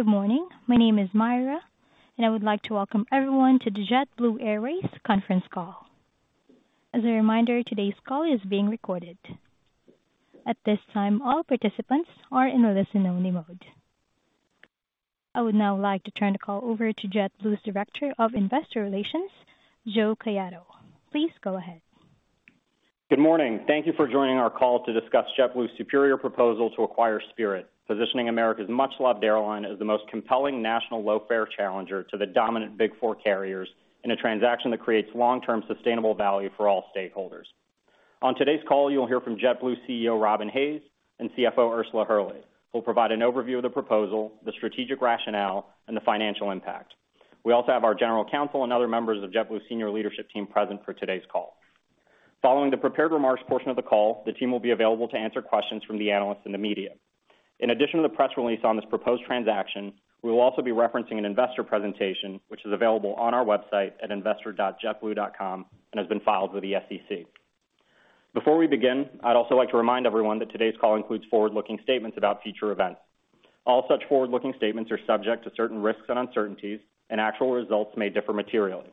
Good morning. My name is Myra, and I would like to welcome everyone to the JetBlue Airways conference call. As a reminder, today's call is being recorded. At this time, all participants are in listen-only mode. I would now like to turn the call over to JetBlue's Director of Investor Relations, Joe Caiado. Please go ahead. Good morning. Thank you for joining our call to discuss JetBlue's superior proposal to acquire Spirit, positioning America's much-loved airline as the most compelling national low-fare challenger to the dominant big four carriers in a transaction that creates long-term sustainable value for all stakeholders. On today's call, you'll hear from JetBlue CEO, Robin Hayes, and CFO, Ursula Hurley, who will provide an overview of the proposal, the strategic rationale, and the financial impact. We also have our general counsel and other members of JetBlue senior leadership team present for today's call. Following the prepared remarks portion of the call, the team will be available to answer questions from the analysts in the media. In addition to the press release on this proposed transaction, we will also be referencing an investor presentation which is available on our website at investor.jetblue.com and has been filed with the SEC. Before we begin, I'd also like to remind everyone that today's call includes forward-looking statements about future events. All such forward-looking statements are subject to certain risks and uncertainties, and actual results may differ materially.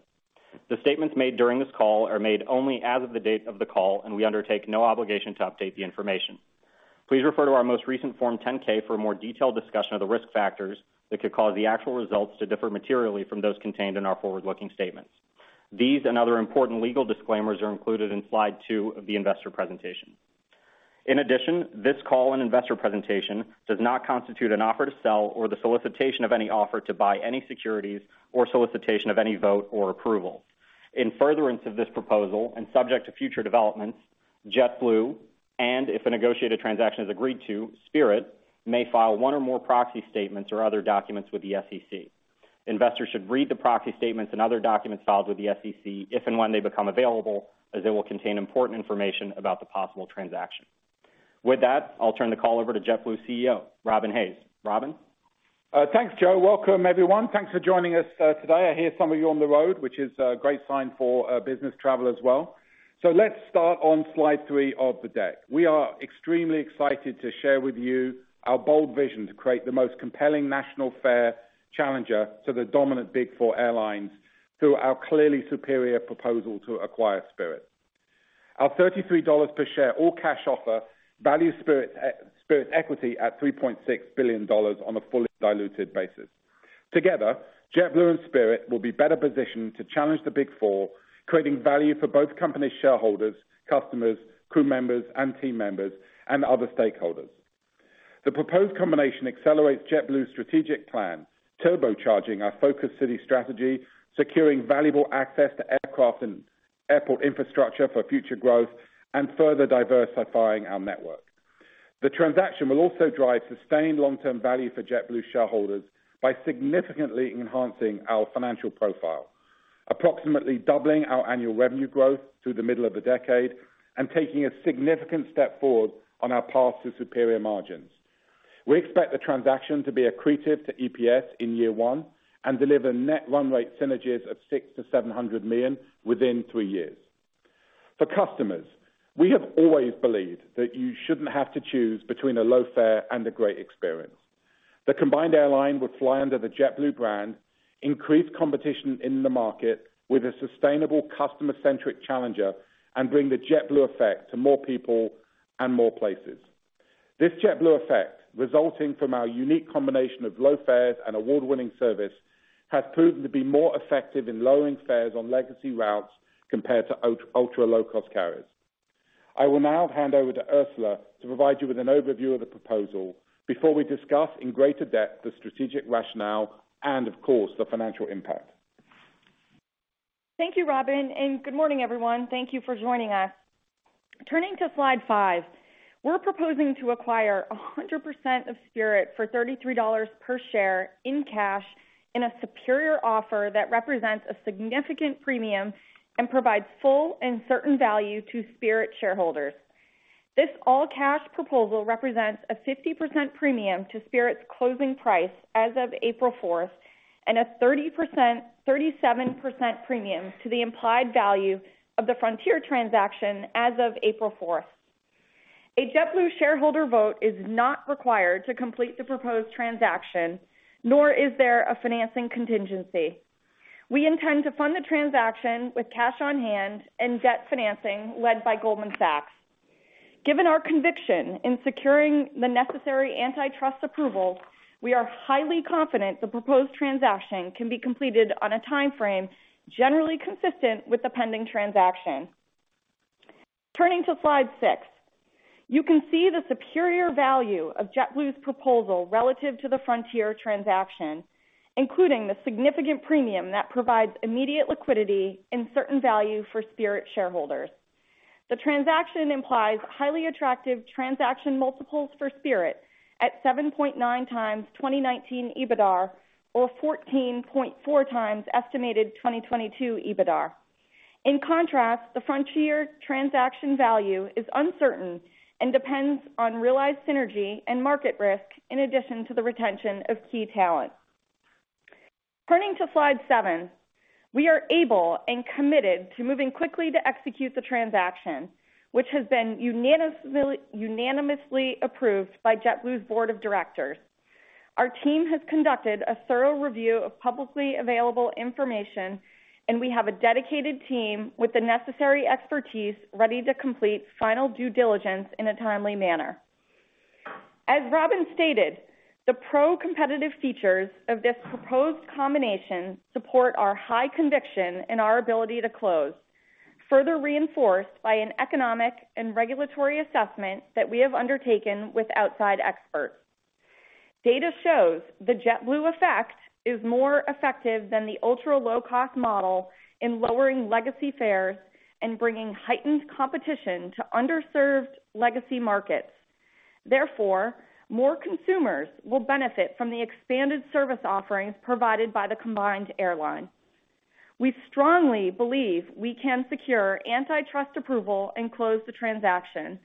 The statements made during this call are made only as of the date of the call, and we undertake no obligation to update the information. Please refer to our most recent Form 10-K for a more detailed discussion of the risk factors that could cause the actual results to differ materially from those contained in our forward-looking statements. These and other important legal disclaimers are included in slide two of the investor presentation. In addition, this call and investor presentation does not constitute an offer to sell or the solicitation of any offer to buy any securities or solicitation of any vote or approval. In furtherance of this proposal and subject to future developments, JetBlue, and if a negotiated transaction is agreed to, Spirit, may file one or more proxy statements or other documents with the SEC. Investors should read the proxy statements and other documents filed with the SEC if and when they become available, as they will contain important information about the possible transaction. With that, I'll turn the call over to JetBlue CEO, Robin Hayes. Robin. Thanks, Joe. Welcome, everyone. Thanks for joining us, today. I hear some of you on the road, which is a great sign for business travel as well. Let's start on slide 3 of the deck. We are extremely excited to share with you our bold vision to create the most compelling national fare challenger to the dominant big four airlines through our clearly superior proposal to acquire Spirit. Our $33 per share all-cash offer values Spirit equity at $3.6 billion on a fully diluted basis. Together, JetBlue and Spirit will be better positioned to challenge the big four, creating value for both companies' shareholders, customers, crew members and team members, and other stakeholders. The proposed combination accelerates JetBlue's strategic plan, turbocharging our focused city strategy, securing valuable access to aircraft and airport infrastructure for future growth, and further diversifying our network. The transaction will also drive sustained long-term value for JetBlue shareholders by significantly enhancing our financial profile, approximately doubling our annual revenue growth through the middle of the decade and taking a significant step forward on our path to superior margins. We expect the transaction to be accretive to EPS in year one and deliver net run rate synergies of $600 million-$700 million within three years. For customers, we have always believed that you shouldn't have to choose between a low fare and a great experience. The combined airline would fly under the JetBlue brand, increase competition in the market with a sustainable customer-centric challenger, and bring the JetBlue Effect to more people and more places. This JetBlue Effect, resulting from our unique combination of low fares and award-winning service, has proven to be more effective in lowering fares on legacy routes compared to ultra low-cost carriers. I will now hand over to Ursula to provide you with an overview of the proposal before we discuss in greater depth the strategic rationale and, of course, the financial impact. Thank you, Robin, and good morning, everyone. Thank you for joining us. Turning to slide 5, we're proposing to acquire 100% of Spirit for $33 per share in cash in a superior offer that represents a significant premium and provides full and certain value to Spirit shareholders. This all-cash proposal represents a 50% premium to Spirit's closing price as of April 4 and a 30%-37% premium to the implied value of the Frontier transaction as of April 4. A JetBlue shareholder vote is not required to complete the proposed transaction, nor is there a financing contingency. We intend to fund the transaction with cash on hand and debt financing led by Goldman Sachs. Given our conviction in securing the necessary antitrust approval, we are highly confident the proposed transaction can be completed on a timeframe generally consistent with the pending transaction. Turning to slide six, you can see the superior value of JetBlue's proposal relative to the Frontier transaction, including the significant premium that provides immediate liquidity and certain value for Spirit shareholders. The transaction implies highly attractive transaction multiples for Spirit at 7.9x 2019 EBITDAR or 14.4x estimated 2022 EBITDAR. In contrast, the Frontier transaction value is uncertain and depends on realized synergy and market risk in addition to the retention of key talent. Turning to slide seven. We are able and committed to moving quickly to execute the transaction, which has been unanimously approved by JetBlue's board of directors. Our team has conducted a thorough review of publicly available information, and we have a dedicated team with the necessary expertise ready to complete final due diligence in a timely manner. As Robin stated, the pro-competitive features of this proposed combination support our high conviction in our ability to close, further reinforced by an economic and regulatory assessment that we have undertaken with outside experts. Data shows the JetBlue Effect is more effective than the ultra-low-cost model in lowering legacy fares and bringing heightened competition to underserved legacy markets. Therefore, more consumers will benefit from the expanded service offerings provided by the combined airline. We strongly believe we can secure antitrust approval and close the transaction,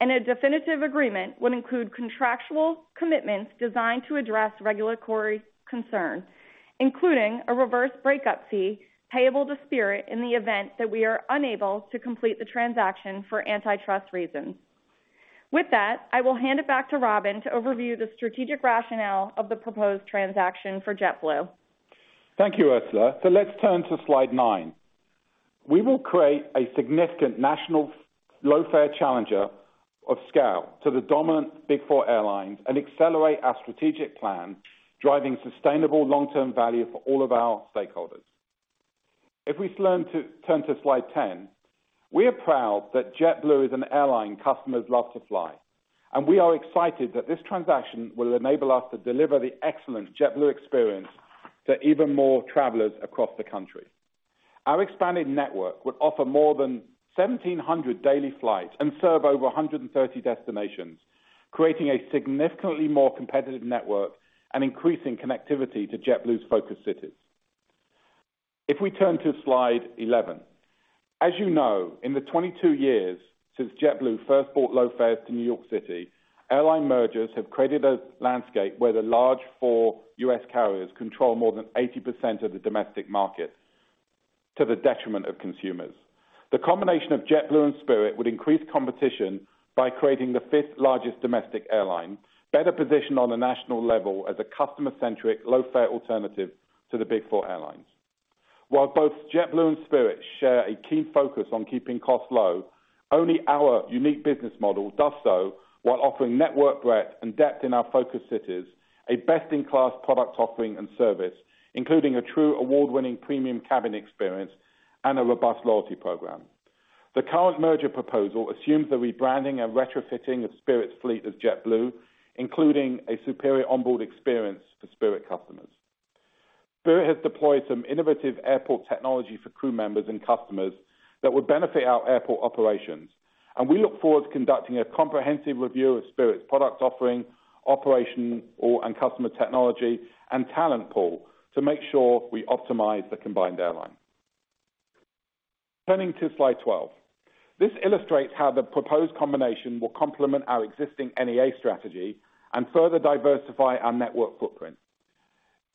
and a definitive agreement would include contractual commitments designed to address regulatory concerns, including a reverse breakup fee payable to Spirit in the event that we are unable to complete the transaction for antitrust reasons. With that, I will hand it back to Robin to overview the strategic rationale of the proposed transaction for JetBlue. Thank you, Ursula. Let's turn to slide nine. We will create a significant national low-fare challenger of scale to the dominant big four airlines and accelerate our strategic plan, driving sustainable long-term value for all of our stakeholders. If we turn to slide 10, we are proud that JetBlue is an airline customers love to fly, and we are excited that this transaction will enable us to deliver the excellent JetBlue experience to even more travelers across the country. Our expanded network would offer more than 1,700 daily flights and serve over 130 destinations, creating a significantly more competitive network and increasing connectivity to JetBlue's focus cities. If we turn to slide 11. As you know, in the 22 years since JetBlue first brought low fares to New York City, airline mergers have created a landscape where the large four U.S. carriers control more than 80% of the domestic market to the detriment of consumers. The combination of JetBlue and Spirit would increase competition by creating the fifth-largest domestic airline, better positioned on a national level as a customer-centric low-fare alternative to the big four airlines. While both JetBlue and Spirit share a keen focus on keeping costs low, only our unique business model does so while offering network breadth and depth in our focus cities, a best-in-class product offering and service, including a true award-winning premium cabin experience and a robust loyalty program. The current merger proposal assumes the rebranding and retrofitting of Spirit's fleet as JetBlue, including a superior onboard experience for Spirit customers. Spirit has deployed some innovative airport technology for crew members and customers that would benefit our airport operations, and we look forward to conducting a comprehensive review of Spirit's product offering, operation and customer technology and talent pool to make sure we optimize the combined airline. Turning to slide 12. This illustrates how the proposed combination will complement our existing NEA strategy and further diversify our network footprint.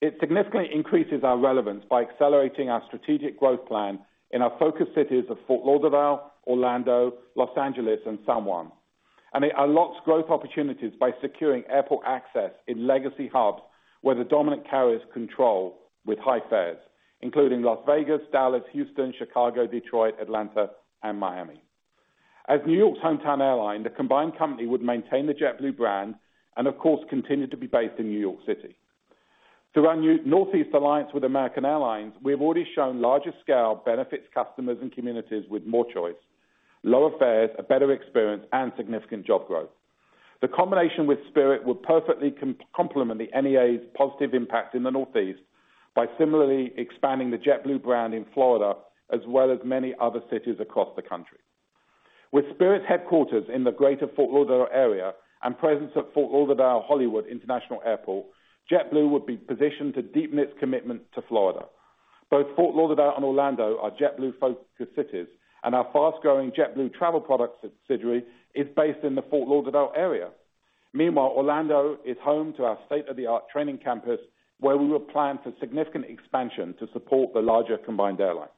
It significantly increases our relevance by accelerating our strategic growth plan in our focus cities of Fort Lauderdale, Orlando, Los Angeles, and San Juan. It unlocks growth opportunities by securing airport access in legacy hubs where the dominant carriers control with high fares, including Las Vegas, Dallas, Houston, Chicago, Detroit, Atlanta, and Miami. As New York's hometown airline, the combined company would maintain the JetBlue brand and of course, continue to be based in New York City. Through our new Northeast Alliance with American Airlines, we have already shown larger-scale benefits customers and communities with more choice, lower fares, a better experience, and significant job growth. The combination with Spirit will perfectly complement the NEA's positive impact in the Northeast by similarly expanding the JetBlue brand in Florida, as well as many other cities across the country. With Spirit's headquarters in the greater Fort Lauderdale area and presence at Fort Lauderdale-Hollywood International Airport, JetBlue would be positioned to deepen its commitment to Florida. Both Fort Lauderdale and Orlando are JetBlue focus cities, and our fast-growing JetBlue Vacations is based in the Fort Lauderdale area. Meanwhile, Orlando is home to our state-of-the-art training campus, where we will plan for significant expansion to support the larger combined airline.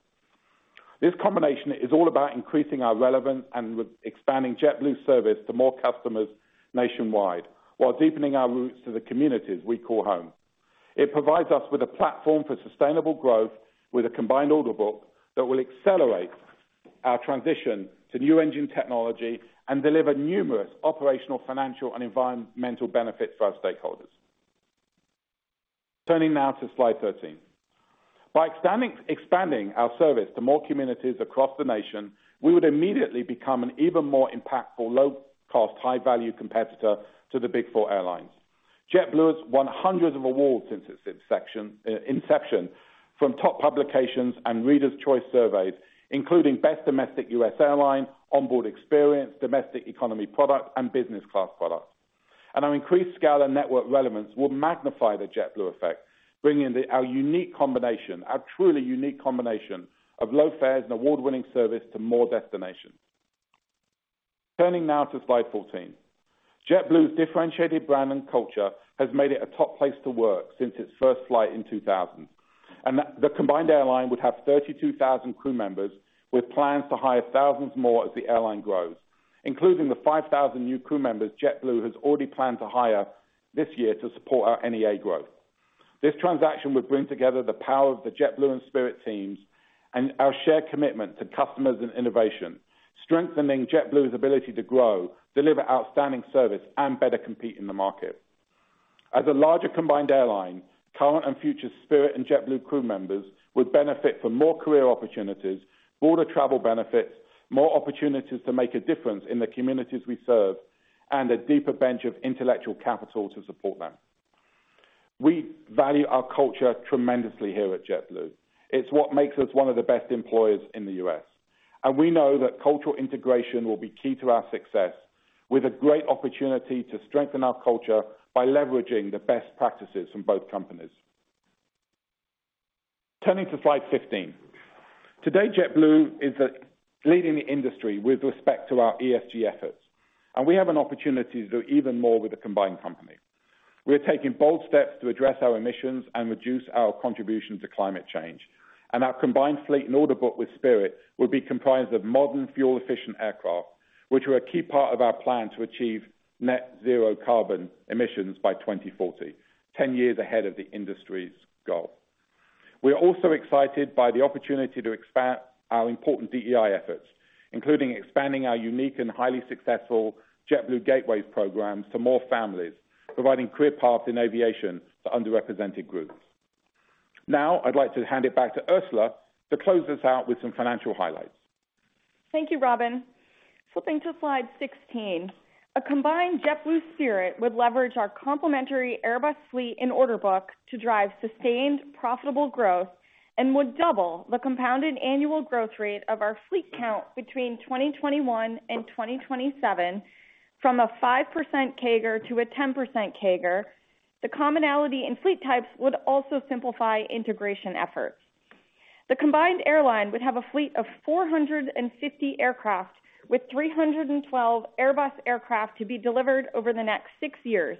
This combination is all about increasing our relevance and expanding JetBlue's service to more customers nationwide while deepening our roots to the communities we call home. It provides us with a platform for sustainable growth with a combined order book that will accelerate our transition to new engine technology and deliver numerous operational, financial, and environmental benefits for our stakeholders. Turning now to slide 13. By expanding our service to more communities across the nation, we would immediately become an even more impactful, low-cost, high-value competitor to the big four airlines. JetBlue has won hundreds of awards since its inception from top publications and readers' choice surveys, including best domestic U.S. airline, onboard experience, domestic economy product, and business class product. Our increased scale and network relevance will magnify the JetBlue Effect, bringing our unique combination, our truly unique combination of low fares and award-winning service to more destinations. Turning now to slide 14. JetBlue's differentiated brand and culture has made it a top place to work since its first flight in 2000. That the combined airline would have 32,000 crew members with plans to hire thousands more as the airline grows, including the 5,000 new crew members JetBlue has already planned to hire this year to support our NEA growth. This transaction would bring together the power of the JetBlue and Spirit teams and our shared commitment to customers and innovation, strengthening JetBlue's ability to grow, deliver outstanding service, and better compete in the market. As a larger combined airline, current and future Spirit and JetBlue crew members would benefit from more career opportunities, broader travel benefits, more opportunities to make a difference in the communities we serve, and a deeper bench of intellectual capital to support them. We value our culture tremendously here at JetBlue. It's what makes us one of the best employers in the U.S. We know that cultural integration will be key to our success, with a great opportunity to strengthen our culture by leveraging the best practices from both companies. Turning to slide 15. Today, JetBlue is leading the industry with respect to our ESG efforts, and we have an opportunity to do even more with the combined company. We're taking bold steps to address our emissions and reduce our contribution to climate change. Our combined fleet in order book with Spirit will be comprised of modern, fuel-efficient aircraft, which are a key part of our plan to achieve net zero carbon emissions by 2040, 10 years ahead of the industry's goal. We are also excited by the opportunity to expand our important DEI efforts, including expanding our unique and highly successful JetBlue Gateways programs to more families, providing career paths in aviation to underrepresented groups. Now, I'd like to hand it back to Ursula to close us out with some financial highlights. Thank you, Robin. Flipping to slide 16. A combined JetBlue Spirit would leverage our complementary Airbus fleet and order book to drive sustained profitable growth and would double the compounded annual growth rate of our fleet count between 2021 and 2027 from a 5% CAGR to a 10% CAGR. The commonality in fleet types would also simplify integration efforts. The combined airline would have a fleet of 450 aircraft with 312 Airbus aircraft to be delivered over the next 6 years,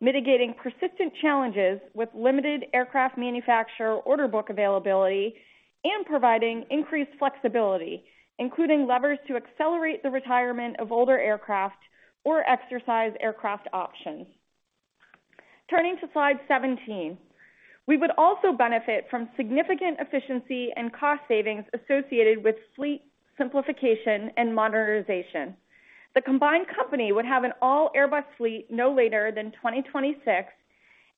mitigating persistent challenges with limited aircraft manufacturer order book availability and providing increased flexibility, including levers to accelerate the retirement of older aircraft or exercise aircraft options. Turning to slide 17. We would also benefit from significant efficiency and cost savings associated with fleet simplification and modernization. The combined company would have an all-Airbus fleet no later than 2026,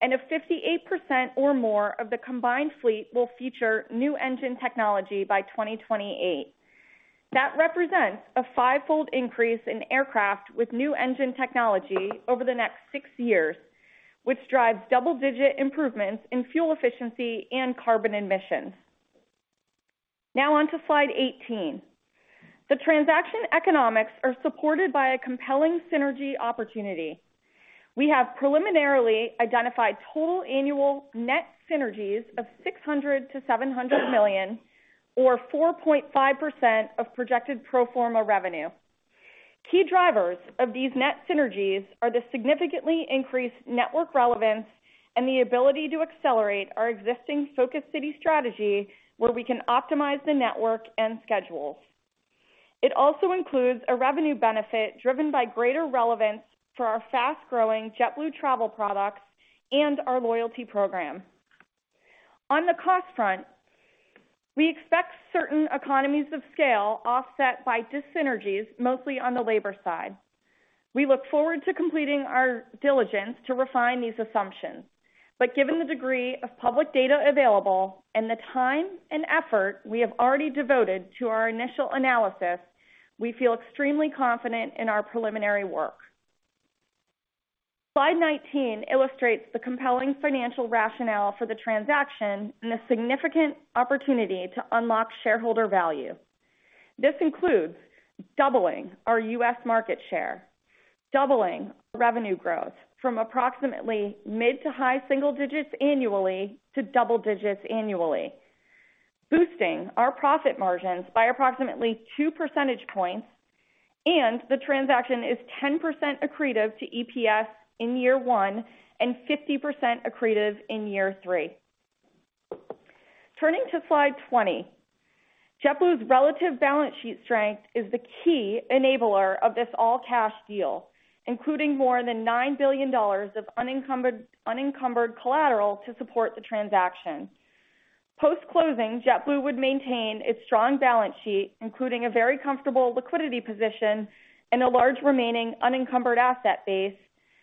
and 58% or more of the combined fleet will feature new engine technology by 2028. That represents a five-fold increase in aircraft with new engine technology over the next six years, which drives double-digit improvements in fuel efficiency and carbon emissions. Now on to slide 18. The transaction economics are supported by a compelling synergy opportunity. We have preliminarily identified total annual net synergies of $600 million-$700 million or 4.5% of projected pro forma revenue. Key drivers of these net synergies are the significantly increased network relevance and the ability to accelerate our existing focus city strategy, where we can optimize the network and schedules. It also includes a revenue benefit driven by greater relevance for our fast-growing JetBlue travel products and our loyalty program. On the cost front, we expect certain economies of scale offset by dyssynergies, mostly on the labor side. We look forward to completing our diligence to refine these assumptions. Given the degree of public data available and the time and effort we have already devoted to our initial analysis, we feel extremely confident in our preliminary work. Slide 19 illustrates the compelling financial rationale for the transaction and the significant opportunity to unlock shareholder value. This includes doubling our U.S. market share, doubling revenue growth from approximately mid to high single digits annually to double digits annually, boosting our profit margins by approximately 2 percentage points, and the transaction is 10% accretive to EPS in year 1 and 50% accretive in year 3. Turning to slide 20. JetBlue's relative balance sheet strength is the key enabler of this all-cash deal, including more than $9 billion of unencumbered collateral to support the transaction. Post-closing, JetBlue would maintain its strong balance sheet, including a very comfortable liquidity position and a large remaining unencumbered asset base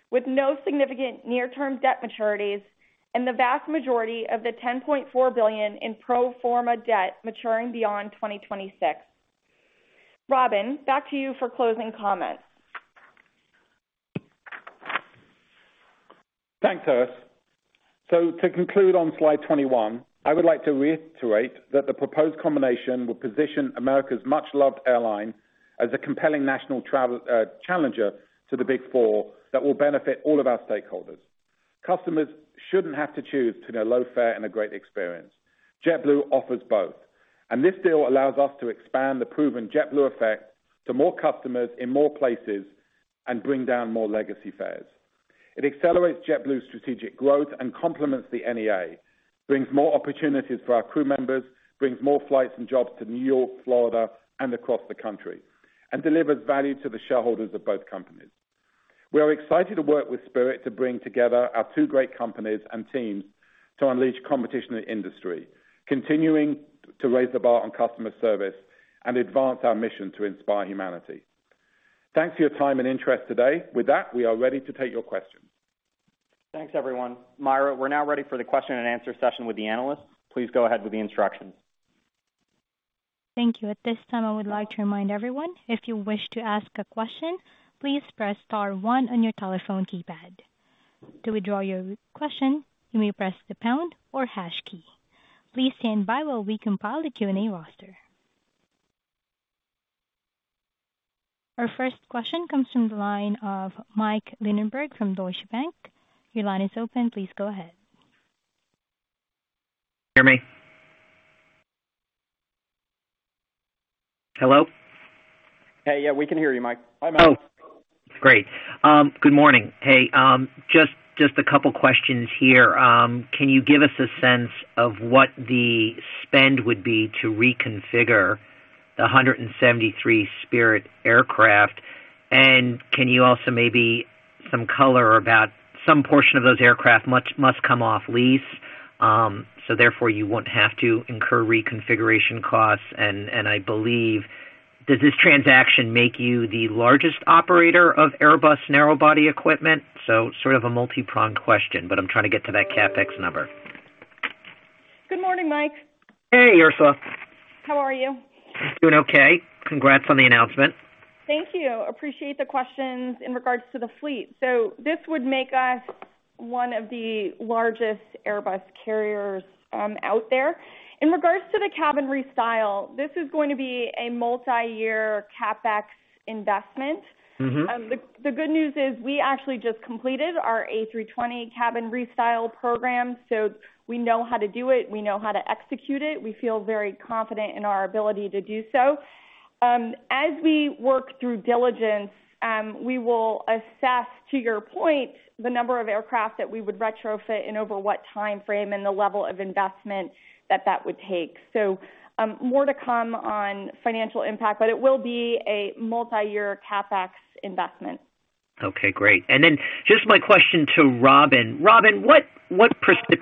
with no significant near-term debt maturities and the vast majority of the $10.4 billion in pro forma debt maturing beyond 2026. Robin, back to you for closing comments. Thanks, Ursula. To conclude on slide 21, I would like to reiterate that the proposed combination will position America's much-loved airline as a compelling national travel challenger to the Big Four that will benefit all of our stakeholders. Customers shouldn't have to choose between a low fare and a great experience. JetBlue offers both, and this deal allows us to expand the proven JetBlue Effect to more customers in more places and bring down more legacy fares. It accelerates JetBlue's strategic growth and complements the NEA, brings more opportunities for our crew members, brings more flights and jobs to New York, Florida, and across the country, and delivers value to the shareholders of both companies. We are excited to work with Spirit to bring together our two great companies and teams to unleash competition in the industry, continuing to raise the bar on customer service and advance our mission to inspire humanity. Thanks for your time and interest today. With that, we are ready to take your questions. Thanks, everyone. Myra, we're now ready for the question and answer session with the analysts. Please go ahead with the instructions. Thank you. At this time, I would like to remind everyone, if you wish to ask a question, please press star one on your telephone keypad. To withdraw your question, you may press the pound or hash key. Please stand by while we compile the Q&A roster. Our first question comes from the line of Michael Linenberg from Deutsche Bank. Your line is open. Please go ahead. Hear me? Hello? Hey. Yeah, we can hear you, Mike. Hi, Mike. Oh, great. Good morning. Hey, just a couple questions here. Can you give us a sense of what the spend would be to reconfigure the 173 Spirit aircraft? And can you also maybe some color about some portion of those aircraft must come off lease, so therefore you won't have to incur reconfiguration costs. And I believe, does this transaction make you the largest operator of Airbus narrow body equipment? So sort of a multipronged question, but I'm trying to get to that CapEx number. Good morning, Mike. Hey, Ursula. How are you? Doing okay. Congrats on the announcement. Thank you. I appreciate the questions in regards to the fleet. This would make us one of the largest Airbus carriers out there. In regards to the cabin restyle, this is going to be a multi-year CapEx investment. Mm-hmm. The good news is we actually just completed our A320 cabin restyle program, so we know how to do it. We know how to execute it. We feel very confident in our ability to do so. As we work through diligence, we will assess, to your point, the number of aircraft that we would retrofit and over what timeframe and the level of investment that would take. More to come on financial impact, but it will be a multi-year CapEx investment. Okay, great. Then just my question to Robin. Robin, what precipitated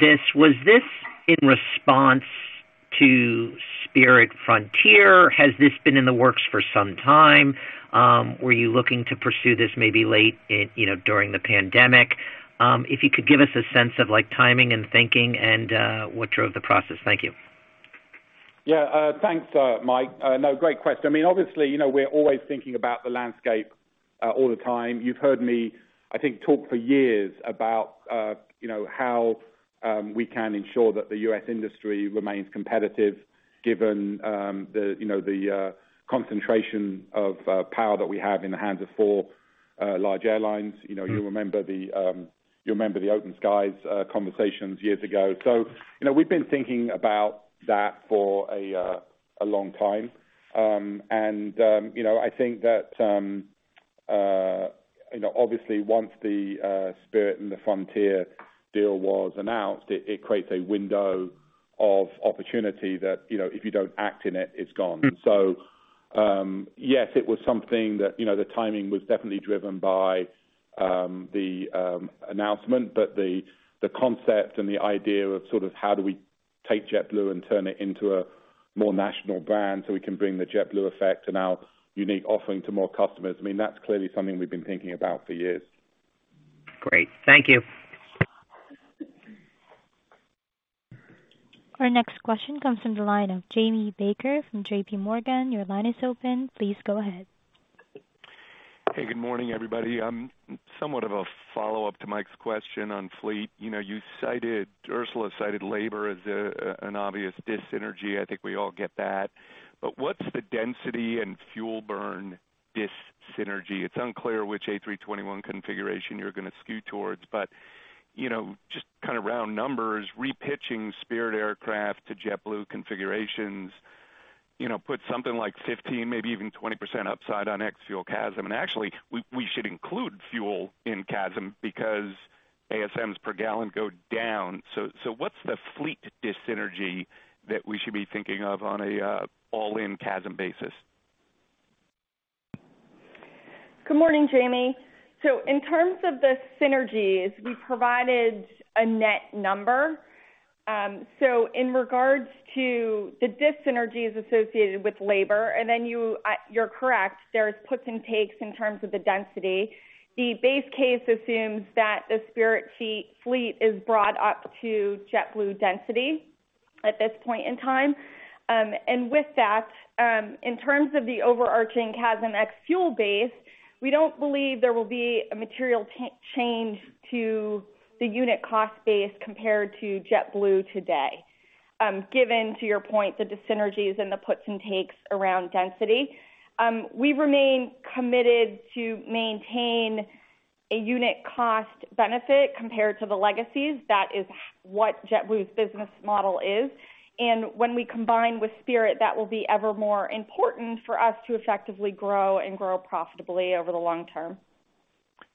this? Was this in response to Spirit Frontier? Has this been in the works for some time? Were you looking to pursue this maybe late in, you know, during the pandemic? If you could give us a sense of, like, timing and thinking and what drove the process. Thank you. Yeah. Thanks, Mike. No, great question. I mean, obviously, you know, we're always thinking about the landscape all the time. You've heard me, I think, talk for years about, you know, how we can ensure that the U.S. industry remains competitive given the you know the concentration of power that we have in the hands of four large airlines. You know, you remember the Open Skies conversations years ago. You know, we've been thinking about that for a long time. You know, I think that you know obviously once the Spirit and the Frontier deal was announced, it creates a window of opportunity that you know if you don't act in it's gone. Yes, it was something that, you know, the timing was definitely driven by the announcement, but the concept and the idea of sort of how do we take JetBlue and turn it into a more national brand so we can bring the JetBlue Effect and our unique offering to more customers, I mean, that's clearly something we've been thinking about for years. Great. Thank you. Our next question comes from the line of Jamie Baker from J.P. Morgan. Your line is open. Please go ahead. Hey, good morning, everybody. Somewhat of a follow-up to Mike's question on fleet. You know, you cited, Ursula cited labor as an obvious dyssynergy. I think we all get that. But what's the density and fuel burn dyssynergy? It's unclear which A321 configuration you're gonna skew towards, but, you know, just kind of round numbers, re-pitching Spirit aircraft to JetBlue configurations, you know, put something like 15%, maybe even 20% upside on ex-fuel CASM. Actually, we should include fuel in CASM because ASMs per gallon go down. So what's the fleet dyssynergy that we should be thinking of on an all-in CASM basis? Good morning, Jamie. In terms of the synergies, we provided a net number. In regards to the dyssynergies associated with labor, and then you're correct, there's puts and takes in terms of the density. The base case assumes that the Spirit's fleet is brought up to JetBlue density at this point in time. With that, in terms of the overarching CASM ex-fuel base, we don't believe there will be a material change to the unit cost base compared to JetBlue today. Given your point, the dissynergies and the puts and takes around density. We remain committed to maintain a unit cost benefit compared to the legacies. That is what JetBlue's business model is. When we combine with Spirit, that will be ever more important for us to effectively grow and grow profitably over the long term.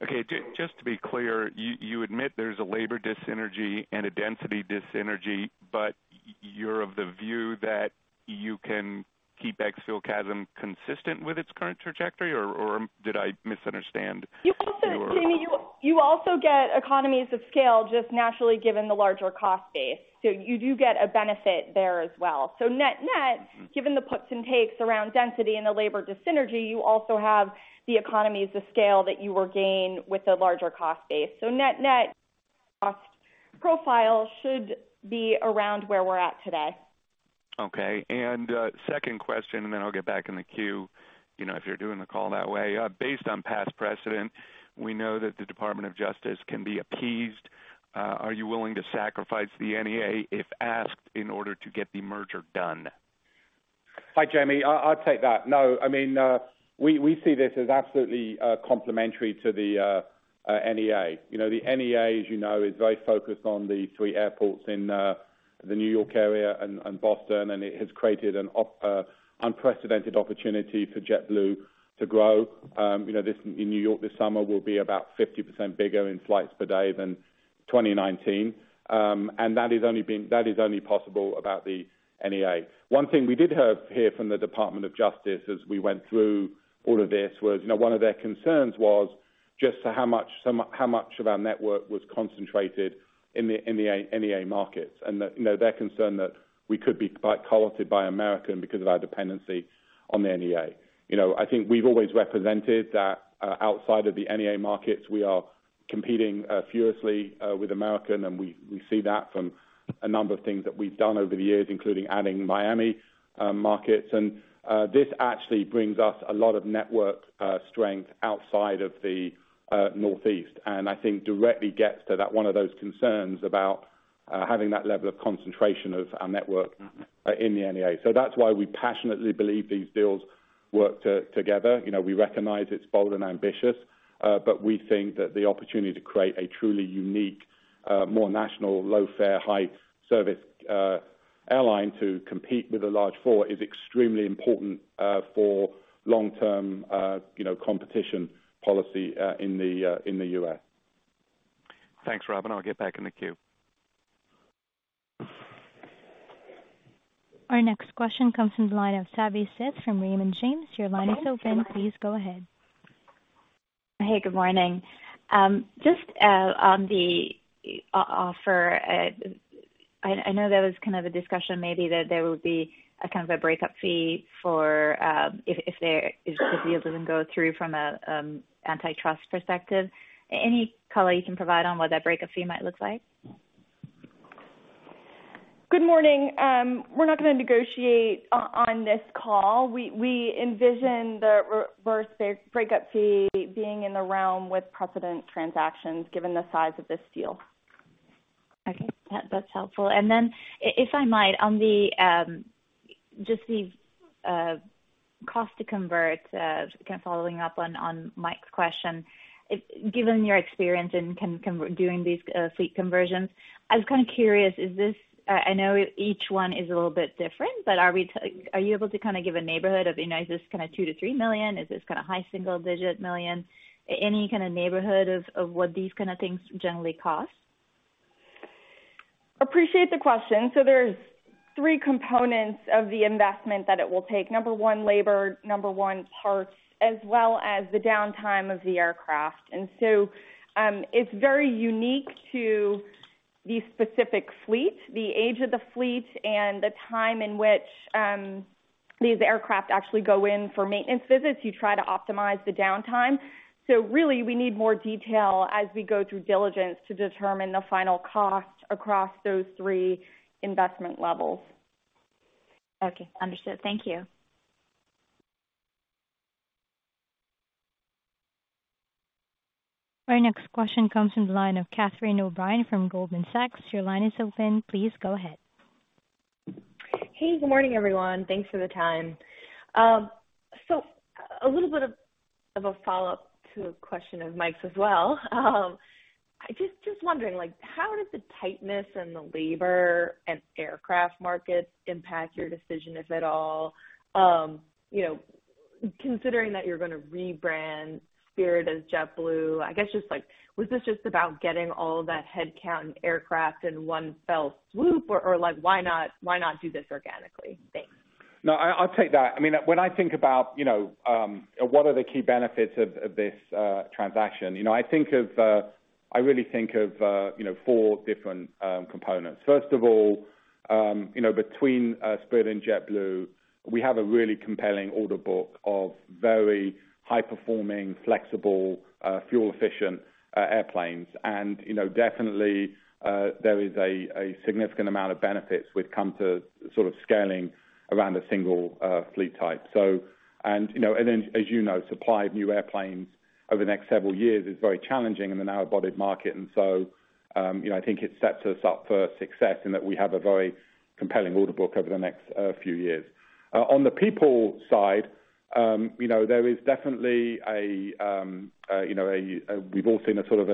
Okay. Just to be clear, you admit there's a labor dyssynergy and a density dyssynergy, but you're of the view that you can keep ex-fuel CASM consistent with its current trajectory, or did I misunderstand your? You also, Jamie, you get economies of scale just naturally given the larger cost base. You do get a benefit there as well. Net-net, given the puts and takes around density and the labor dyssynergy, you also have the economies of scale that you will gain with the larger cost base. Net-net cost profile should be around where we're at today. Okay. Second question, and then I'll get back in the queue, you know, if you're doing the call that way. Based on past precedent, we know that the Department of Justice can be appeased. Are you willing to sacrifice the NEA if asked in order to get the merger done? Hi, Jamie, I'll take that. No, I mean, we see this as absolutely complementary to the NEA. You know, the NEA, as you know, is very focused on the three airports in the New York area and Boston, and it has created an unprecedented opportunity for JetBlue to grow. You know, in New York this summer will be about 50% bigger in flights per day than 2019. And that is only possible because of the NEA. One thing we did hear from the Department of Justice as we went through all of this was, you know, one of their concerns was just how much of our network was concentrated in the NEA markets, and that, you know, their concern that we could be quite colluded by American because of our dependency on the NEA. You know, I think we've always represented that outside of the NEA markets, we are competing furiously with American, and we see that from a number of things that we've done over the years, including adding Miami markets. This actually brings us a lot of network strength outside of the Northeast, and I think directly gets to that one of those concerns about having that level of concentration of our network in the NEA. That's why we passionately believe these deals work together. You know, we recognize it's bold and ambitious, but we think that the opportunity to create a truly unique, more national low-fare, high service, airline to compete with the large four is extremely important for long-term, you know, competition policy in the US. Thanks, Robin. I'll get back in the queue. Our next question comes from the line of Savanthi Syth from Raymond James. Your line is open. Please go ahead. Hey, good morning. Just on the offer, I know there was kind of a discussion maybe that there will be a kind of a breakup fee for if the deal doesn't go through from a antitrust perspective. Any color you can provide on what that breakup fee might look like? Good morning. We're not gonna negotiate on this call. We envision the reverse breakup fee being in the realm of precedent transactions given the size of this deal. Okay. That's helpful. If I might, on just the cost to convert, kind of following up on Mike's question. If given your experience in converting doing these fleet conversions, I was kind of curious, is this. I know each one is a little bit different, but are you able to kind of give a neighborhood of, is this kind of $2 million-$3 million? Is this kind of high single-digit million? Any kind of neighborhood of what these kind of things generally cost? Appreciate the question. There's three components of the investment that it will take. Number one, labor, number one, parts, as well as the downtime of the aircraft. It's very unique to the specific fleet, the age of the fleet and the time in which these aircraft actually go in for maintenance visits. You try to optimize the downtime. Really, we need more detail as we go through diligence to determine the final cost across those three investment levels. Okay. Understood. Thank you. Our next question comes from the line of Catherine O'Brien from Goldman Sachs. Your line is open. Please go ahead. Hey, good morning, everyone. Thanks for the time. So a little bit of a follow-up to a question of Mike's as well. Just wondering, like, how does the tightness in the labor and aircraft markets impact your decision, if at all? You know, considering that you're gonna rebrand Spirit as JetBlue, I guess just like, was this just about getting all of that headcount and aircraft in one fell swoop, or like, why not do this organically? Thanks. No, I'll take that. I mean, when I think about, you know, what are the key benefits of this transaction, you know, I think of, I really think of, you know, four different components. First of all, you know, between Spirit and JetBlue, we have a really compelling order book of very high-performing, flexible, fuel-efficient airplanes. You know, definitely, there is a significant amount of benefits that come to sort of scaling around a single fleet type. You know, and then, as you know, supply of new airplanes over the next several years is very challenging in the narrow-body market. You know, I think it sets us up for success in that we have a very compelling order book over the next few years. On the people side, you know, there is definitely a tightness in the labor market we've all seen, sort of,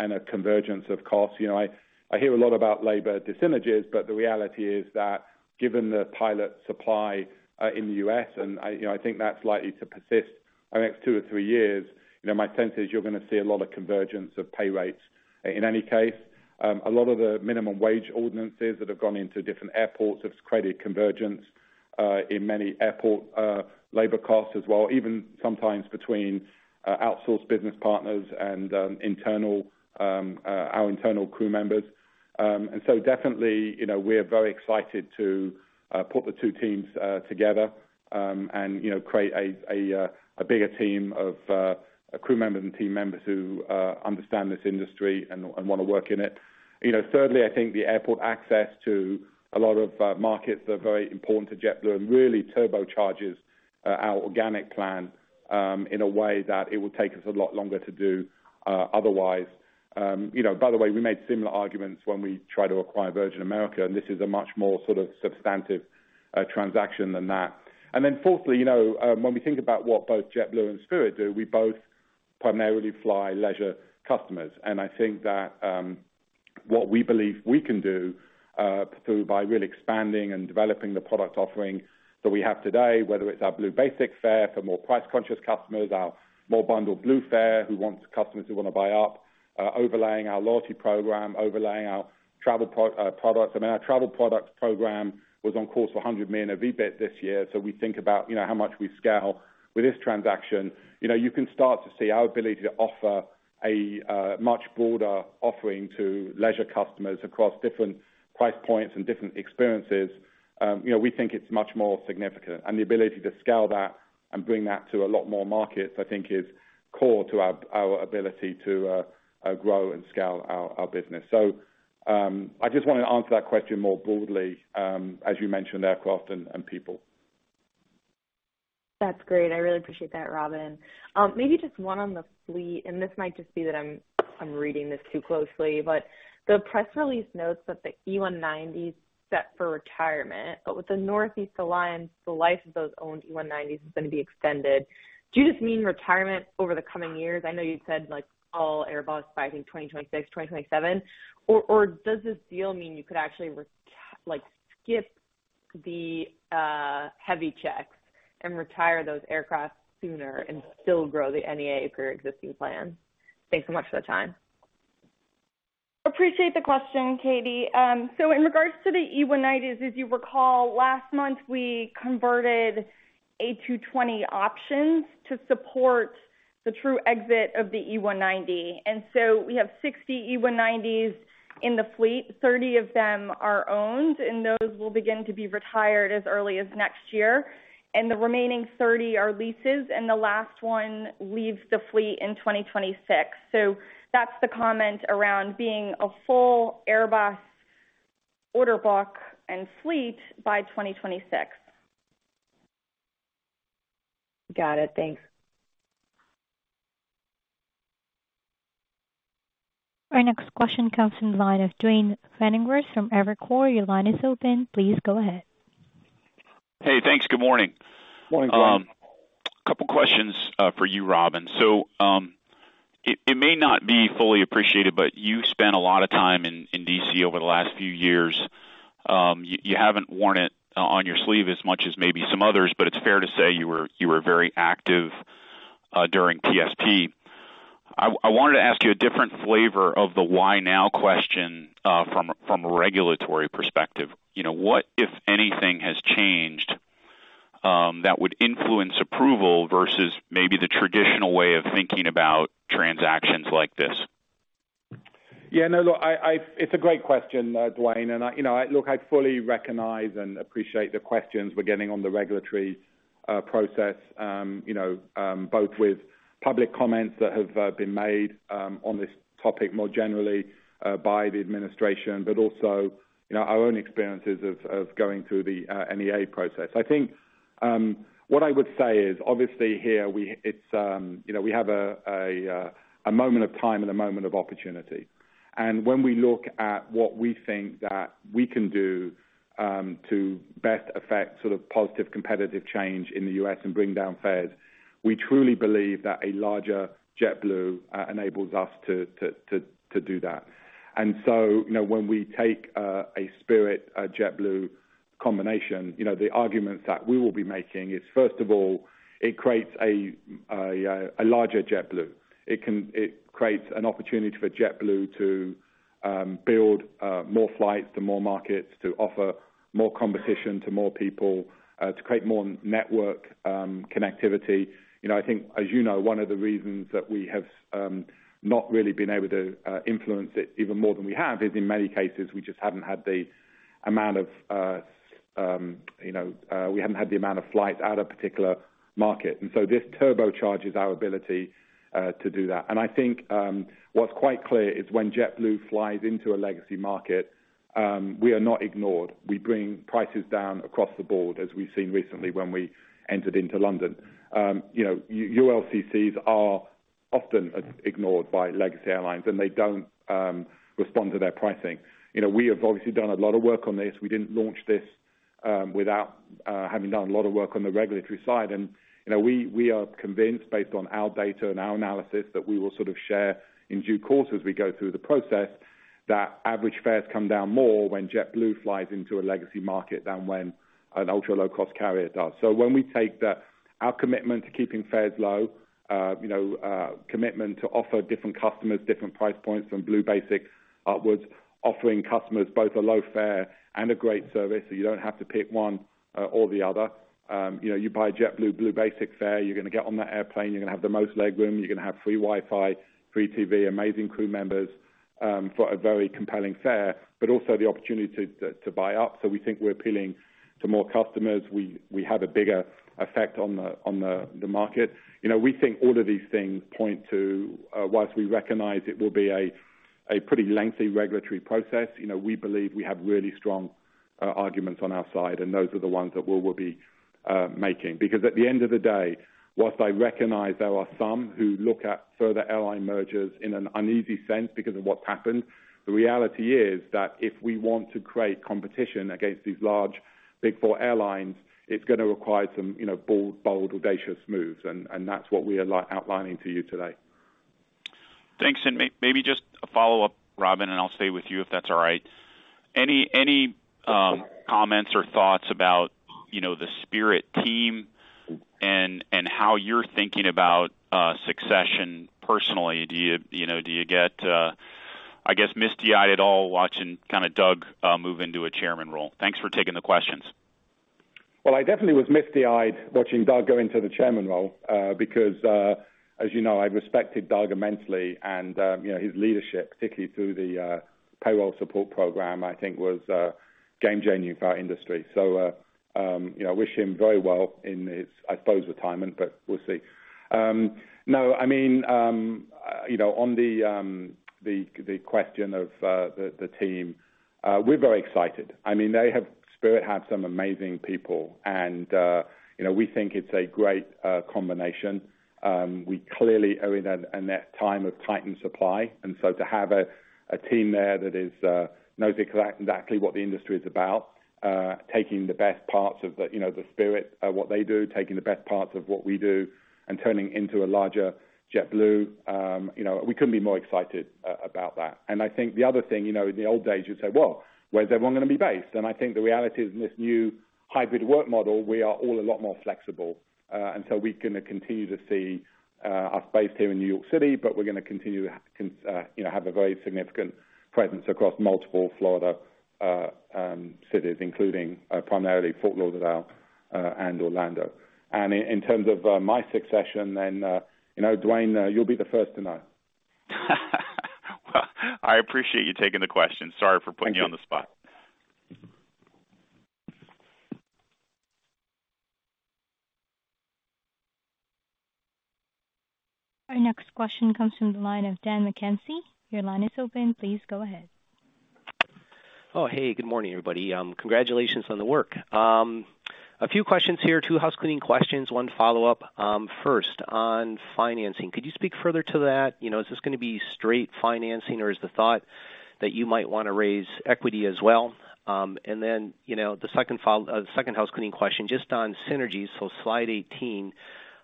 and a convergence of costs. You know, I hear a lot about labor dyssynergies, but the reality is that given the pilot supply in the U.S., and, you know, I think that's likely to persist the next two or three years. You know, my sense is you're gonna see a lot of convergence of pay rates. In any case, a lot of the minimum wage ordinances that have gone into different airports have created convergence in many airport labor costs as well, even sometimes between outsourced business partners and our internal crew members. Definitely, you know, we're very excited to put the two teams together, and, you know, create a bigger team of crew members and team members who understand this industry and wanna work in it. You know, thirdly, I think the airport access to a lot of markets are very important to JetBlue and really turbocharges our organic plan in a way that it would take us a lot longer to do otherwise. You know, by the way, we made similar arguments when we tried to acquire Virgin America, and this is a much more sort of substantive transaction than that. Fourthly, you know, when we think about what both JetBlue and Spirit do, we both primarily fly leisure customers. I think that what we believe we can do by really expanding and developing the product offering that we have today, whether it's our Blue Basic fare for more price-conscious customers, our more bundled Blue fare for customers who wanna buy up, overlaying our loyalty program, overlaying our travel products. I mean, our travel products program was on course for $100 million of EBIT this year. We think about, you know, how much we scale with this transaction. You know, you can start to see our ability to offer a much broader offering to leisure customers across different price points and different experiences. You know, we think it's much more significant. The ability to scale that and bring that to a lot more markets, I think is core to our ability to grow and scale our business. I just wanted to answer that question more broadly, as you mentioned, aircraft and people. That's great. I really appreciate that, Robin. Maybe just one on the fleet, and this might just be that I'm reading this too closely. The press release notes that the E190s set for retirement, but with the Northeast Alliance, the life of those owned E190s is gonna be extended. Do you just mean retirement over the coming years? I know you'd said like all Airbus by, I think, 2026, 2027. Or does this deal mean you could actually like skip the heavy checks and retire those aircraft sooner and still grow the NEA per your existing plan? Thanks so much for the time. Appreciate the question, Katie. In regards to the E190s, as you recall, last month we converted A220 options to support the true exit of the E190. We have 60 E190s in the fleet. 30 of them are owned, and those will begin to be retired as early as next year. The remaining 30 are leases, and the last one leaves the fleet in 2026. That's the comment around being a full Airbus order block and fleet by 2026. Got it. Thanks. Our next question comes from the line of Duane Pfennigwerth from Evercore. Your line is open. Please go ahead. Hey, thanks. Good morning. Morning, Duane. A couple questions for you, Robin. It may not be fully appreciated, but you spent a lot of time in D.C. over the last few years. You haven't worn it on your sleeve as much as maybe some others, but it's fair to say you were very active during PSP. I wanted to ask you a different flavor of the why now question from a regulatory perspective. You know, what, if anything, has changed that would influence approval versus maybe the traditional way of thinking about transactions like this? Yeah, no, look, it's a great question, Duane. I fully recognize and appreciate the questions we're getting on the regulatory process, both with public comments that have been made on this topic more generally by the administration, but also our own experiences of going through the NEA process. I think what I would say is, obviously here it's, you know, we have a moment of time and a moment of opportunity. When we look at what we think that we can do to best affect sort of positive competitive change in the U.S. and bring down fares, we truly believe that a larger JetBlue enables us to do that. You know, when we take a Spirit, a JetBlue combination, you know, the arguments that we will be making is, first of all, it creates a larger JetBlue. It creates an opportunity for JetBlue to build more flights to more markets, to offer more competition to more people, to create more network connectivity. You know, I think, as you know, one of the reasons that we have not really been able to influence it even more than we have is in many cases, we just haven't had the amount of flights out of particular market. This turbocharges our ability to do that. I think, what's quite clear is when JetBlue flies into a legacy market, we are not ignored. We bring prices down across the board, as we've seen recently when we entered into London. You know, ULCCs are often ignored by legacy airlines, and they don't respond to their pricing. You know, we have obviously done a lot of work on this. We didn't launch this without having done a lot of work on the regulatory side. You know, we are convinced based on our data and our analysis that we will sort of share in due course as we go through the process, that average fares come down more when JetBlue flies into a legacy market than when an ultra-low-cost carrier does. When we take our commitment to keeping fares low, you know, commitment to offer different customers different price points from Blue Basic onwards, offering customers both a low fare and a great service, so you don't have to pick one or the other. You know, you buy a JetBlue Blue Basic fare, you're gonna get on that airplane, you're gonna have the most legroom, you're gonna have free Wi-Fi, free TV, amazing crew members, for a very compelling fare, but also the opportunity to buy up. We think we're appealing to more customers. We have a bigger effect on the market. You know, we think all of these things point to, while we recognize it will be a pretty lengthy regulatory process, you know, we believe we have really strong arguments on our side, and those are the ones that we will be making. Because at the end of the day, while I recognize there are some who look at further airline mergers in an uneasy sense because of what's happened, the reality is that if we want to create competition against these large Big Four airlines, it's gonna require some, you know, bold audacious moves, and that's what we are outlining to you today. Thanks. Maybe just a follow-up, Robin, and I'll stay with you, if that's all right. Any comments or thoughts about, you know, the Spirit team and how you're thinking about succession personally? Do you know, get, I guess, misty-eyed at all watching kinda Doug move into a chairman role? Thanks for taking the questions. Well, I definitely was misty-eyed watching Doug go into the chairman role, because, as you know, I respected Doug immensely, and, you know, his leadership, particularly through the Payroll Support Program, I think was game-changing for our industry. You know, I wish him very well in his, I suppose, retirement, but we'll see. No, I mean, you know, on the question of the team, we're very excited. I mean, Spirit had some amazing people, and, you know, we think it's a great combination. We clearly are in a time of tightened supply, so to have a team there that knows exactly what the industry is about, taking the best parts of, you know, the Spirit, what they do, taking the best parts of what we do, and turning into a larger JetBlue, you know, we couldn't be more excited about that. I think the other thing, you know, in the old days, you'd say, "Well, where's everyone gonna be based?" I think the reality is, in this new hybrid work model, we are all a lot more flexible. We're gonna continue to see us based here in New York City, but we're gonna continue to have a very significant presence across multiple Florida cities, including primarily Fort Lauderdale and Orlando. In terms of my succession, you know, Duane, you'll be the first to know. Well, I appreciate you taking the question. Sorry for putting you on the spot. Thank you. Our next question comes from the line of Dan McKenzie. Your line is open. Please go ahead. Oh, hey, good morning, everybody. Congratulations on the work. A few questions here. Two housecleaning questions, one follow-up. First, on financing, could you speak further to that? You know, is this gonna be straight financing, or is the thought that you might wanna raise equity as well? And then, you know, the second housecleaning question, just on synergies, so slide 18,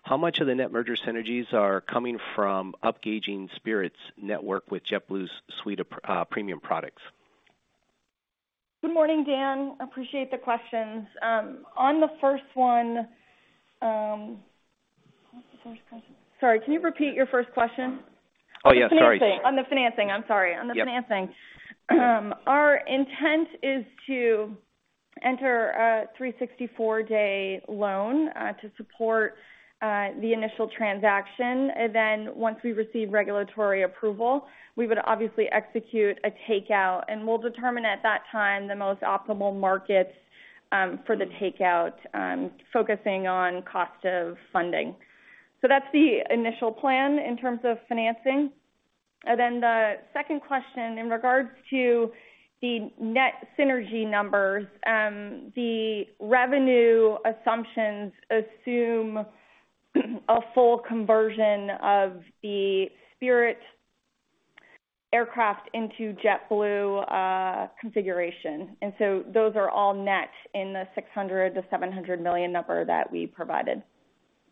how much of the net merger synergies are coming from upgauging Spirit's network with JetBlue's suite of premium products? Good morning, Dan. Appreciate the questions. On the first one, what was the first question? Sorry, can you repeat your first question? Oh, yeah. Sorry. On the financing. I'm sorry. Yep. On the financing. Our intent is to enter a 364-day loan to support the initial transaction. Then once we receive regulatory approval, we would obviously execute a takeout, and we'll determine at that time the most optimal markets for the takeout, focusing on cost of funding. That's the initial plan in terms of financing. The second question, in regards to the net synergy numbers, the revenue assumptions assume a full conversion of the Spirit aircraft into JetBlue configuration. Those are all net in the $600-$700 million number that we provided.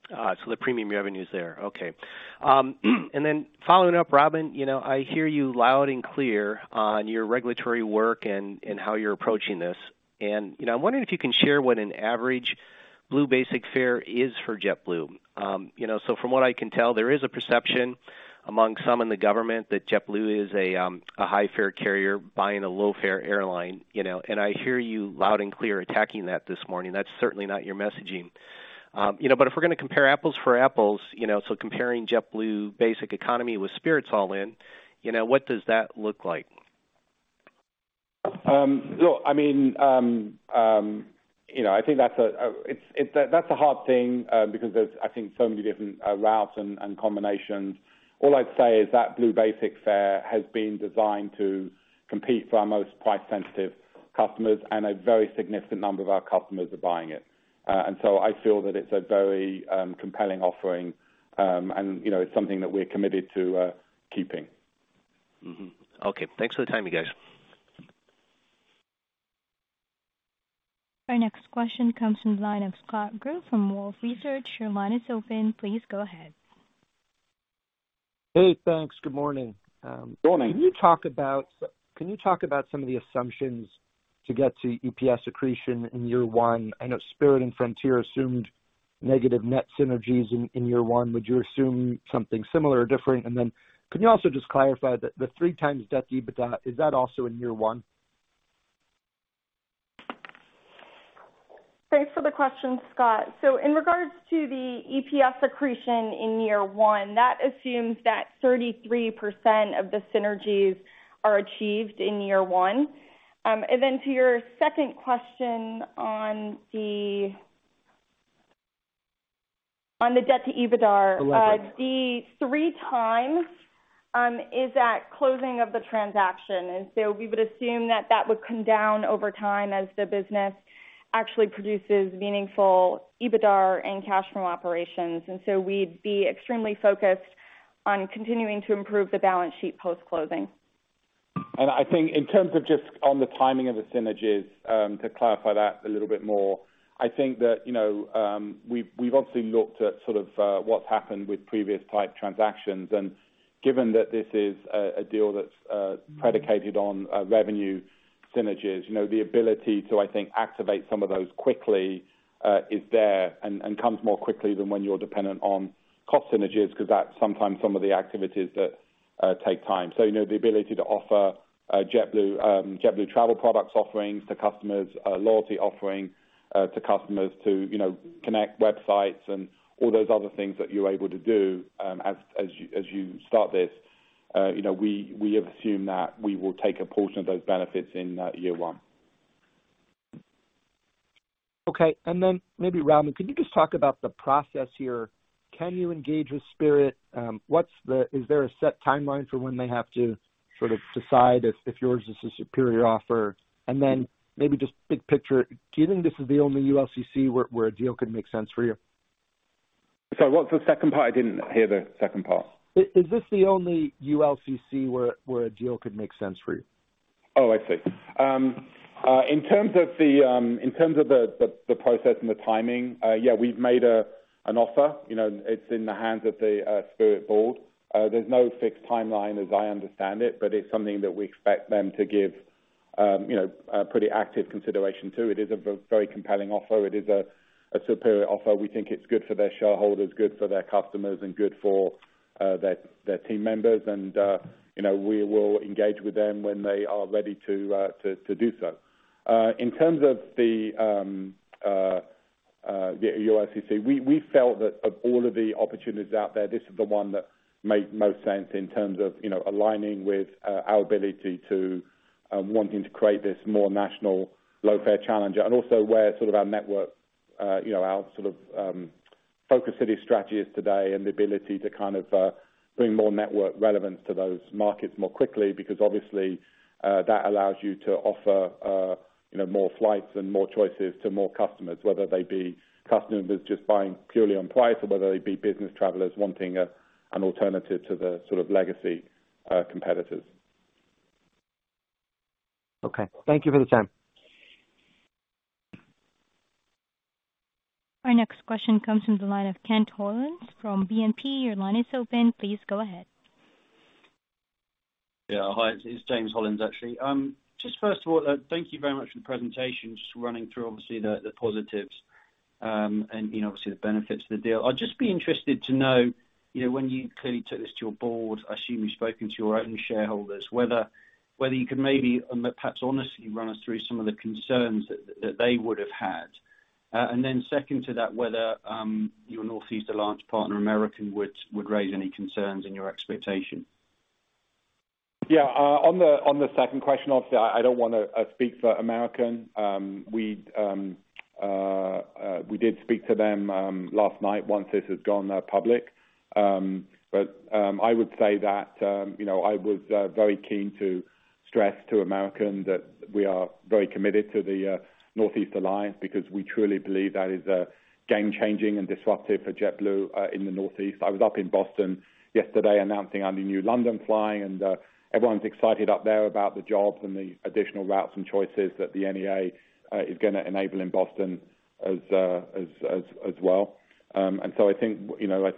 The premium revenue is there. Okay. Following up, Robin, you know, I hear you loud and clear on your regulatory work and how you're approaching this. You know, I'm wondering if you can share what an average Blue Basic fare is for JetBlue. You know, from what I can tell, there is a perception among some in the government that JetBlue is a high fare carrier buying a low fare airline. You know, I hear you loud and clear attacking that this morning. That's certainly not your messaging. You know, if we're gonna compare apples for apples, you know, comparing JetBlue basic economy with Spirit's all-in, you know, what does that look like? Look, I mean, you know, I think that's a hard thing, because there's, I think, so many different routes and combinations. All I'd say is that Blue Basic fare has been designed to compete for our most price sensitive customers, and a very significant number of our customers are buying it. I feel that it's a very compelling offering, and, you know, it's something that we're committed to keeping. Mm-hmm. Okay. Thanks for the time, you guys. Our next question comes from the line of Scott Group from Wolfe Research. Your line is open. Please go ahead. Hey, thanks. Good morning. Good morning. Can you talk about some of the assumptions to get to EPS accretion in year one? I know Spirit and Frontier assumed negative net synergies in year one. Would you assume something similar or different? Could you also just clarify the 3x debt EBITDA, is that also in year one? Thanks for the question, Scott. In regards to the EPS accretion in year one, that assumes that 33% of the synergies are achieved in year one. To your second question on the debt to EBITDAR- The three times is at closing of the transaction. We would assume that that would come down over time as the business actually produces meaningful EBITDAR and cash from operations. We'd be extremely focused on continuing to improve the balance sheet post-closing. I think in terms of just on the timing of the synergies, to clarify that a little bit more, I think that, you know, we've obviously looked at sort of, what's happened with previous type transactions. Given that this is a deal that's predicated on revenue synergies, you know, the ability to, I think, activate some of those quickly, is there and comes more quickly than when you're dependent on cost synergies because that's sometimes some of the activities that take time. You know, the ability to offer JetBlue travel products offerings to customers, loyalty offerings to customers to, you know, connect websites and all those other things that you're able to do, as you start this, you know, we assume that we will take a portion of those benefits in year one. Okay. Maybe, Robin, can you just talk about the process here? Can you engage with Spirit? Is there a set timeline for when they have to sort of decide if yours is a superior offer? Maybe just big picture, do you think this is the only ULCC where a deal could make sense for you? Sorry, what's the second part? I didn't hear the second part. Is this the only ULCC where a deal could make sense for you? Oh, I see. In terms of the process and the timing, yeah, we've made an offer. You know, it's in the hands of the Spirit board. There's no fixed timeline as I understand it, but it's something that we expect them to give you know, a pretty active consideration to. It is a very compelling offer. It is a superior offer. We think it's good for their shareholders, good for their customers, and good for their team members. You know, we will engage with them when they are ready to do so. In terms of the ULCC, we felt that of all of the opportunities out there, this is the one that made most sense in terms of, you know, aligning with our ability, wanting to create this more national low-fare challenger. Also where sort of our network, you know, our sort of focus city strategy is today and the ability to kind of bring more network relevance to those markets more quickly. Because obviously, that allows you to offer, you know, more flights and more choices to more customers, whether they be customers just buying purely on price or whether they be business travelers wanting an alternative to the sort of legacy competitors. Okay. Thank you for the time. Our next question comes from the line of James Hollins from BNP. Your line is open. Please go ahead. Yeah. Hi. It's James Hollins, actually. Just first of all, thank you very much for the presentation. Just running through obviously the positives, and, you know, obviously the benefits of the deal. I'd just be interested to know, you know, when you clearly took this to your board. I assume you've spoken to your own shareholders, whether you could maybe perhaps honestly run us through some of the concerns that they would have had. And then second to that, whether your Northeast Alliance partner, American, would raise any concerns in your expectation. Yeah. On the second question, obviously, I don't wanna speak for American. We did speak to them last night once this had gone public. But I would say that, you know, I was very keen to stress to American that we are very committed to the Northeast Alliance because we truly believe that is game changing and disruptive for JetBlue in the Northeast. I was up in Boston yesterday announcing our new London flight, and everyone's excited up there about the jobs and the additional routes and choices that the NEA is gonna enable in Boston as well. I think, you know,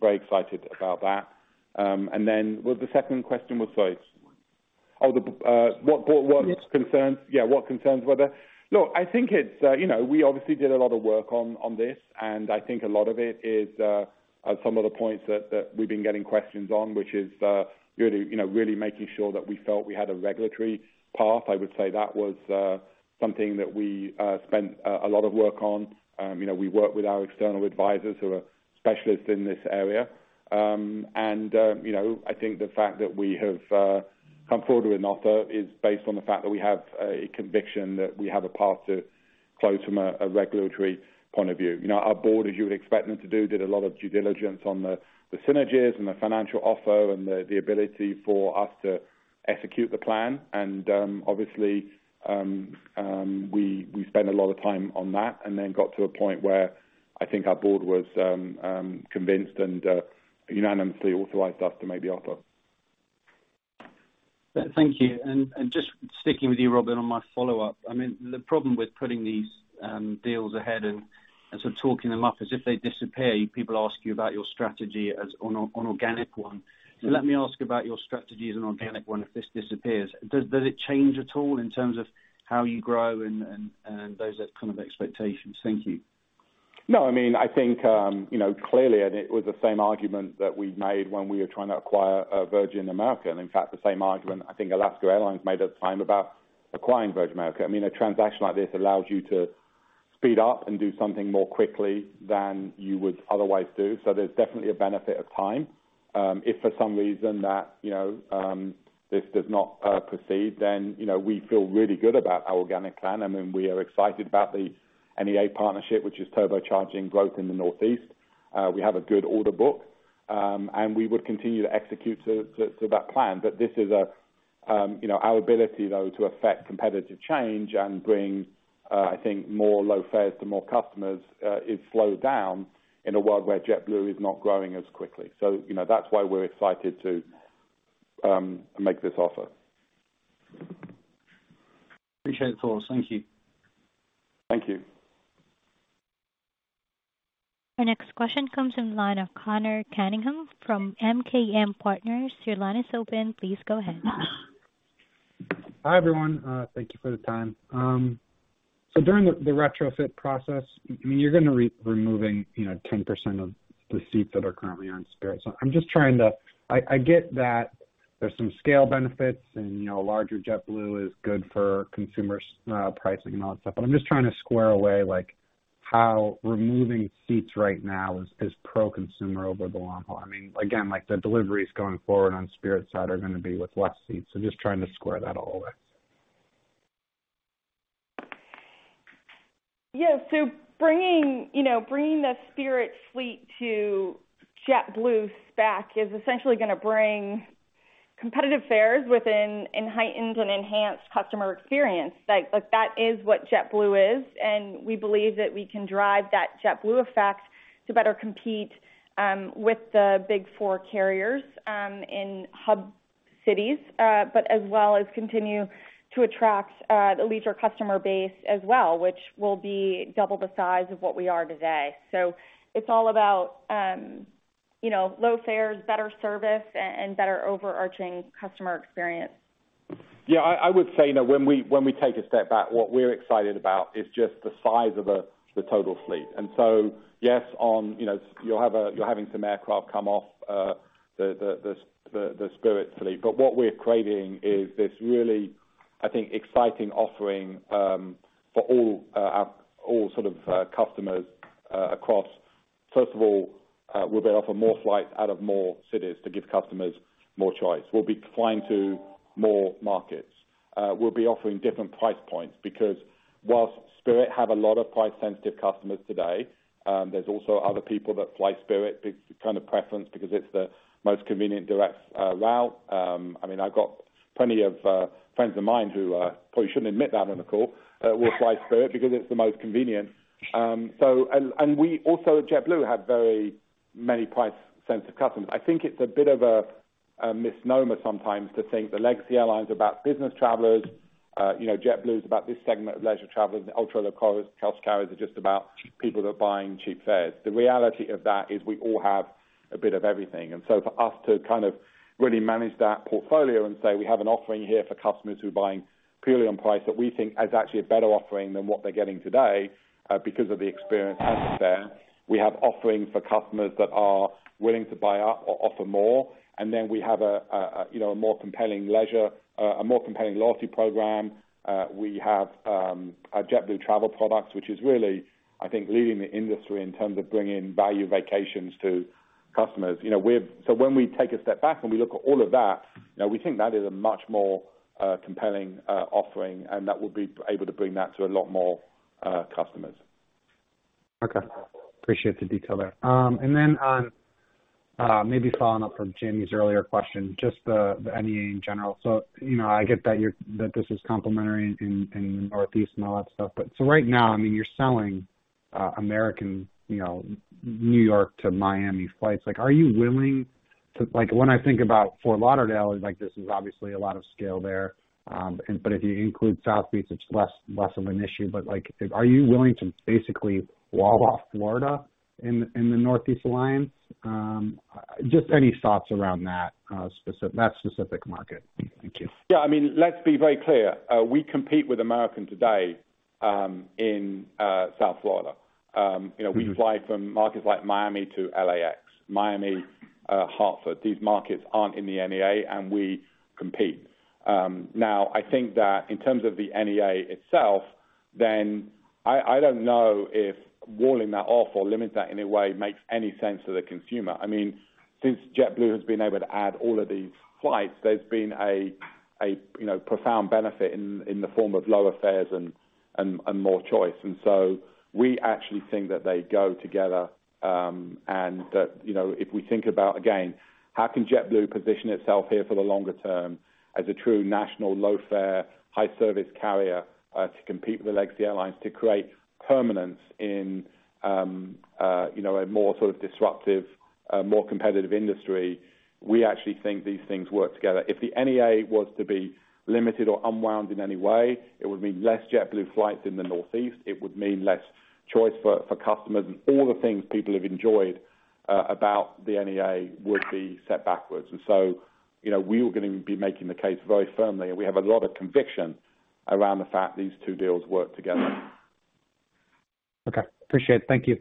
very excited about that. Was the second question, sorry. Oh, what concerns? Yeah. Yeah, what concerns were there? Look, I think it's, you know, we obviously did a lot of work on this, and I think a lot of it is some of the points that we've been getting questions on, which is really, you know, really making sure that we felt we had a regulatory path. I would say that was something that we spent a lot of work on. You know, we worked with our external advisors who are specialists in this area. You know, I think the fact that we have come forward with an offer is based on the fact that we have a conviction that we have a path to close from a regulatory point of view. You know, our board, as you would expect them to do, did a lot of due diligence on the synergies and the financial offer and the ability for us to execute the plan. Obviously, we spent a lot of time on that and then got to a point where I think our board was convinced and unanimously authorized us to make the offer. Thank you. Just sticking with you, Robin, on my follow-up. I mean, the problem with putting these deals ahead and sort of talking them up is if they disappear, people ask you about your strategy as an organic one. Let me ask about your strategy as an organic one if this disappears. Does it change at all in terms of how you grow and those kind of expectations? Thank you. No, I mean, I think, you know, clearly, and it was the same argument that we made when we were trying to acquire Virgin America, and in fact, the same argument I think Alaska Airlines made at the time about acquiring Virgin America. I mean, a transaction like this allows you to speed up and do something more quickly than you would otherwise do. There's definitely a benefit of time. If for some reason that, you know, this does not proceed, then, you know, we feel really good about our organic plan, and then we are excited about the NEA partnership, which is turbocharging growth in the Northeast. We have a good order book, and we would continue to execute to that plan. This is, you know, our ability, though, to affect competitive change and bring, I think more low fares to more customers, is slowed down in a world where JetBlue is not growing as quickly. You know, that's why we're excited to make this offer. Appreciate the thoughts. Thank you. Thank you. Our next question comes from the line of Conor Cunningham from MKM Partners. Your line is open. Please go ahead. Hi, everyone. Thank you for the time. During the retrofit process, I mean, you're gonna removing, you know, 10% of the seats that are currently on Spirit. I'm just trying to. I get that there's some scale benefits and, you know, larger JetBlue is good for consumers, pricing and all that stuff. I'm just trying to square away, like, how removing seats right now is pro-consumer over the long haul. I mean, again, like, the deliveries going forward on Spirit's side are gonna be with less seats, just trying to square that all away. Yeah. Bringing you know, the Spirit fleet to JetBlue's backyard is essentially gonna bring competitive fares with heightened and enhanced customer experience. Like, that is what JetBlue is, and we believe that we can drive that JetBlue Effect to better compete with the big four carriers in hub cities, but as well as continue to attract the leisure customer base as well, which will be double the size of what we are today. It's all about you know, low fares, better service and better overarching customer experience. Yeah. I would say that when we take a step back, what we're excited about is just the size of the total fleet. Yes, you know, you're having some aircraft come off the Spirit fleet. But what we're creating is this really, I think, exciting offering for all sort of customers across. First of all, we'll be offering more flights out of more cities to give customers more choice. We'll be flying to more markets. We'll be offering different price points because while Spirit have a lot of price-sensitive customers today, there's also other people that fly Spirit, it's kind of preference because it's the most convenient direct route. I mean, I've got plenty of friends of mine who probably shouldn't admit that on the call will fly Spirit because it's the most convenient. We also at JetBlue have very many price-sensitive customers. I think it's a bit of a misnomer sometimes to think the legacy airlines are about business travelers. You know, JetBlue is about this segment of leisure travelers. The ultra-low-cost carriers are just about people that are buying cheap fares. The reality of that is we all have a bit of everything. For us to kind of really manage that portfolio and say we have an offering here for customers who are buying purely on price that we think is actually a better offering than what they're getting today, because of the experience and the fare. We have offerings for customers that are willing to buy up, offer more, and then we have, you know, a more compelling leisure, a more compelling loyalty program. We have our JetBlue travel product, which is really, I think, leading the industry in terms of bringing value vacations to customers. You know, when we take a step back and we look at all of that, you know, we think that is a much more compelling offering, and that we'll be able to bring that to a lot more customers. Okay. Appreciate the detail there. Maybe following up from Jamie's earlier question, just the NEA in general. You know, I get that that this is complementary in Northeast and all that stuff. Right now, I mean, you're selling American, you know, New York to Miami flights. Like, when I think about Fort Lauderdale, like, this is obviously a lot of scale there. If you include Southeast, it's less of an issue. Like, are you willing to basically wall off Florida in the Northeast Alliance? Just any thoughts around that specific market. Thank you. Yeah. I mean, let's be very clear. We compete with American today in South Florida. You know, we fly from markets like Miami to LAX. Miami, Hartford. These markets aren't in the NEA, and we compete. Now, I think that in terms of the NEA itself, then I don't know if walling that off or limiting that in a way makes any sense to the consumer. I mean, since JetBlue has been able to add all of these flights, there's been a you know, profound benefit in the form of lower fares and more choice. We actually think that they go together, and that, you know, if we think about again, how can JetBlue position itself here for the longer term as a true national low-fare, high-service carrier, to compete with the legacy airlines to create permanence in, you know, a more sort of disruptive, more competitive industry? We actually think these things work together. If the NEA was to be limited or unwound in any way, it would mean less JetBlue flights in the Northeast. It would mean less choice for customers, and all the things people have enjoyed about the NEA would be set back. We are gonna be making the case very firmly, and we have a lot of conviction around the fact these two deals work together. Okay, appreciate it. Thank you.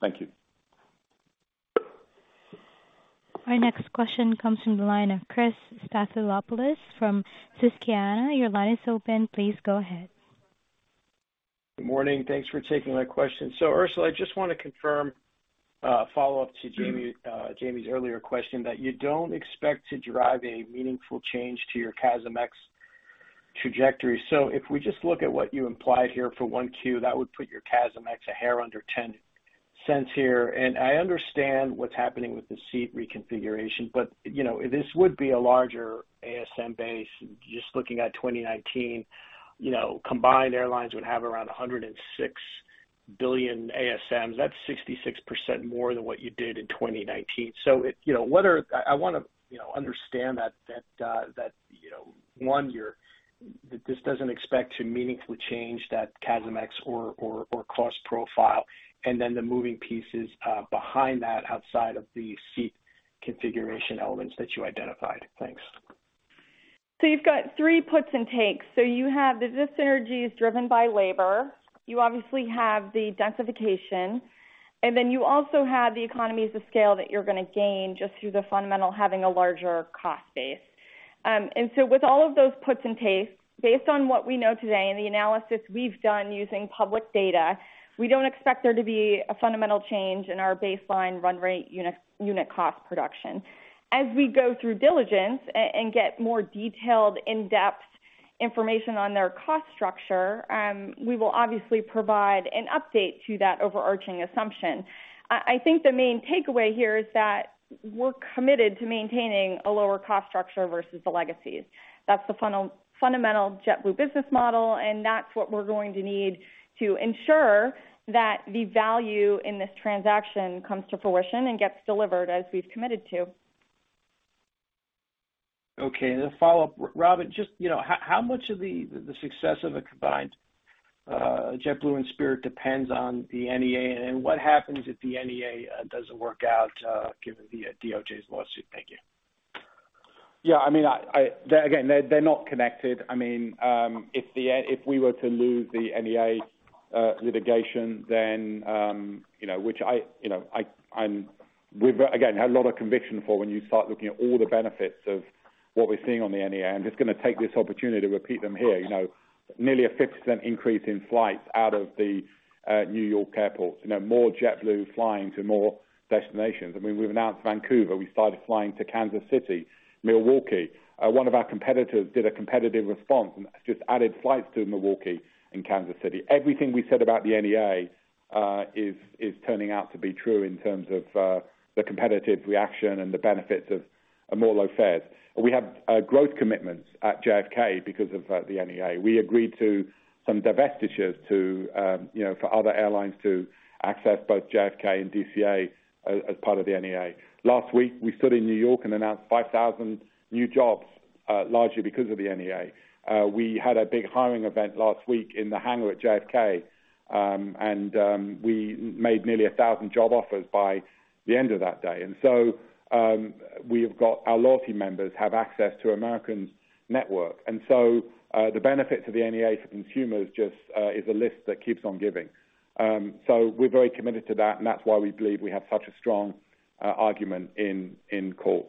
Thank you. Our next question comes from the line of Christopher Stathoulopoulos from Susquehanna. Your line is open. Please go ahead. Good morning. Thanks for taking my question. Ursula, I just want to confirm, follow up to Jamie's earlier question that you don't expect to drive a meaningful change to your CASM-X trajectory. If we just look at what you implied here for 1Q, that would put your CASM-X a hair under $0.10 here. I understand what's happening with the seat reconfiguration, but, you know, this would be a larger ASM base. Just looking at 2019, you know, combined airlines would have around 106 billion ASMs. That's 66% more than what you did in 2019. You know, I wanna, you know, understand that you know, one year this doesn't expect to meaningfully change that CASM-X or cost profile and then the moving pieces behind that outside of the seat configuration elements that you identified. Thanks. You've got three puts and takes. You have the synergies driven by labor. You obviously have the densification, and then you also have the economies of scale that you're gonna gain just through the fundamental having a larger cost base. With all of those puts and takes, based on what we know today and the analysis we've done using public data, we don't expect there to be a fundamental change in our baseline run rate unit cost production. As we go through diligence and get more detailed in-depth information on their cost structure, we will obviously provide an update to that overarching assumption. I think the main takeaway here is that we're committed to maintaining a lower cost structure versus the legacies. That's the funnel, fundamental JetBlue business model, and that's what we're going to need to ensure that the value in this transaction comes to fruition and gets delivered as we've committed to. Okay. The follow-up, Robin, just, you know, how much of the success of a combined JetBlue and Spirit depends on the NEA, and what happens if the NEA doesn't work out, given the DOJ's lawsuit? Thank you. Yeah. I mean, again, they're not connected. I mean, if we were to lose the NEA litigation then, you know, which we've again had a lot of conviction for when you start looking at all the benefits of what we're seeing on the NEA. I'm just gonna take this opportunity to repeat them here. You know, nearly a 50% increase in flights out of the New York airports, you know, more JetBlue flying to more destinations. I mean, we've announced Vancouver. We started flying to Kansas City, Milwaukee. One of our competitors did a competitive response and just added flights to Milwaukee and Kansas City. Everything we said about the NEA is turning out to be true in terms of the competitive reaction and the benefits of more low fares. We have growth commitments at JFK because of the NEA. We agreed to some divestitures to you know for other airlines to access both JFK and DCA as part of the NEA. Last week, we stood in New York and announced 5,000 new jobs largely because of the NEA. We had a big hiring event last week in the hangar at JFK and we made nearly 1,000 job offers by the end of that day. We have got our loyalty members have access to American's network. The benefits of the NEA for consumers just is a list that keeps on giving. We're very committed to that, and that's why we believe we have such a strong argument in court.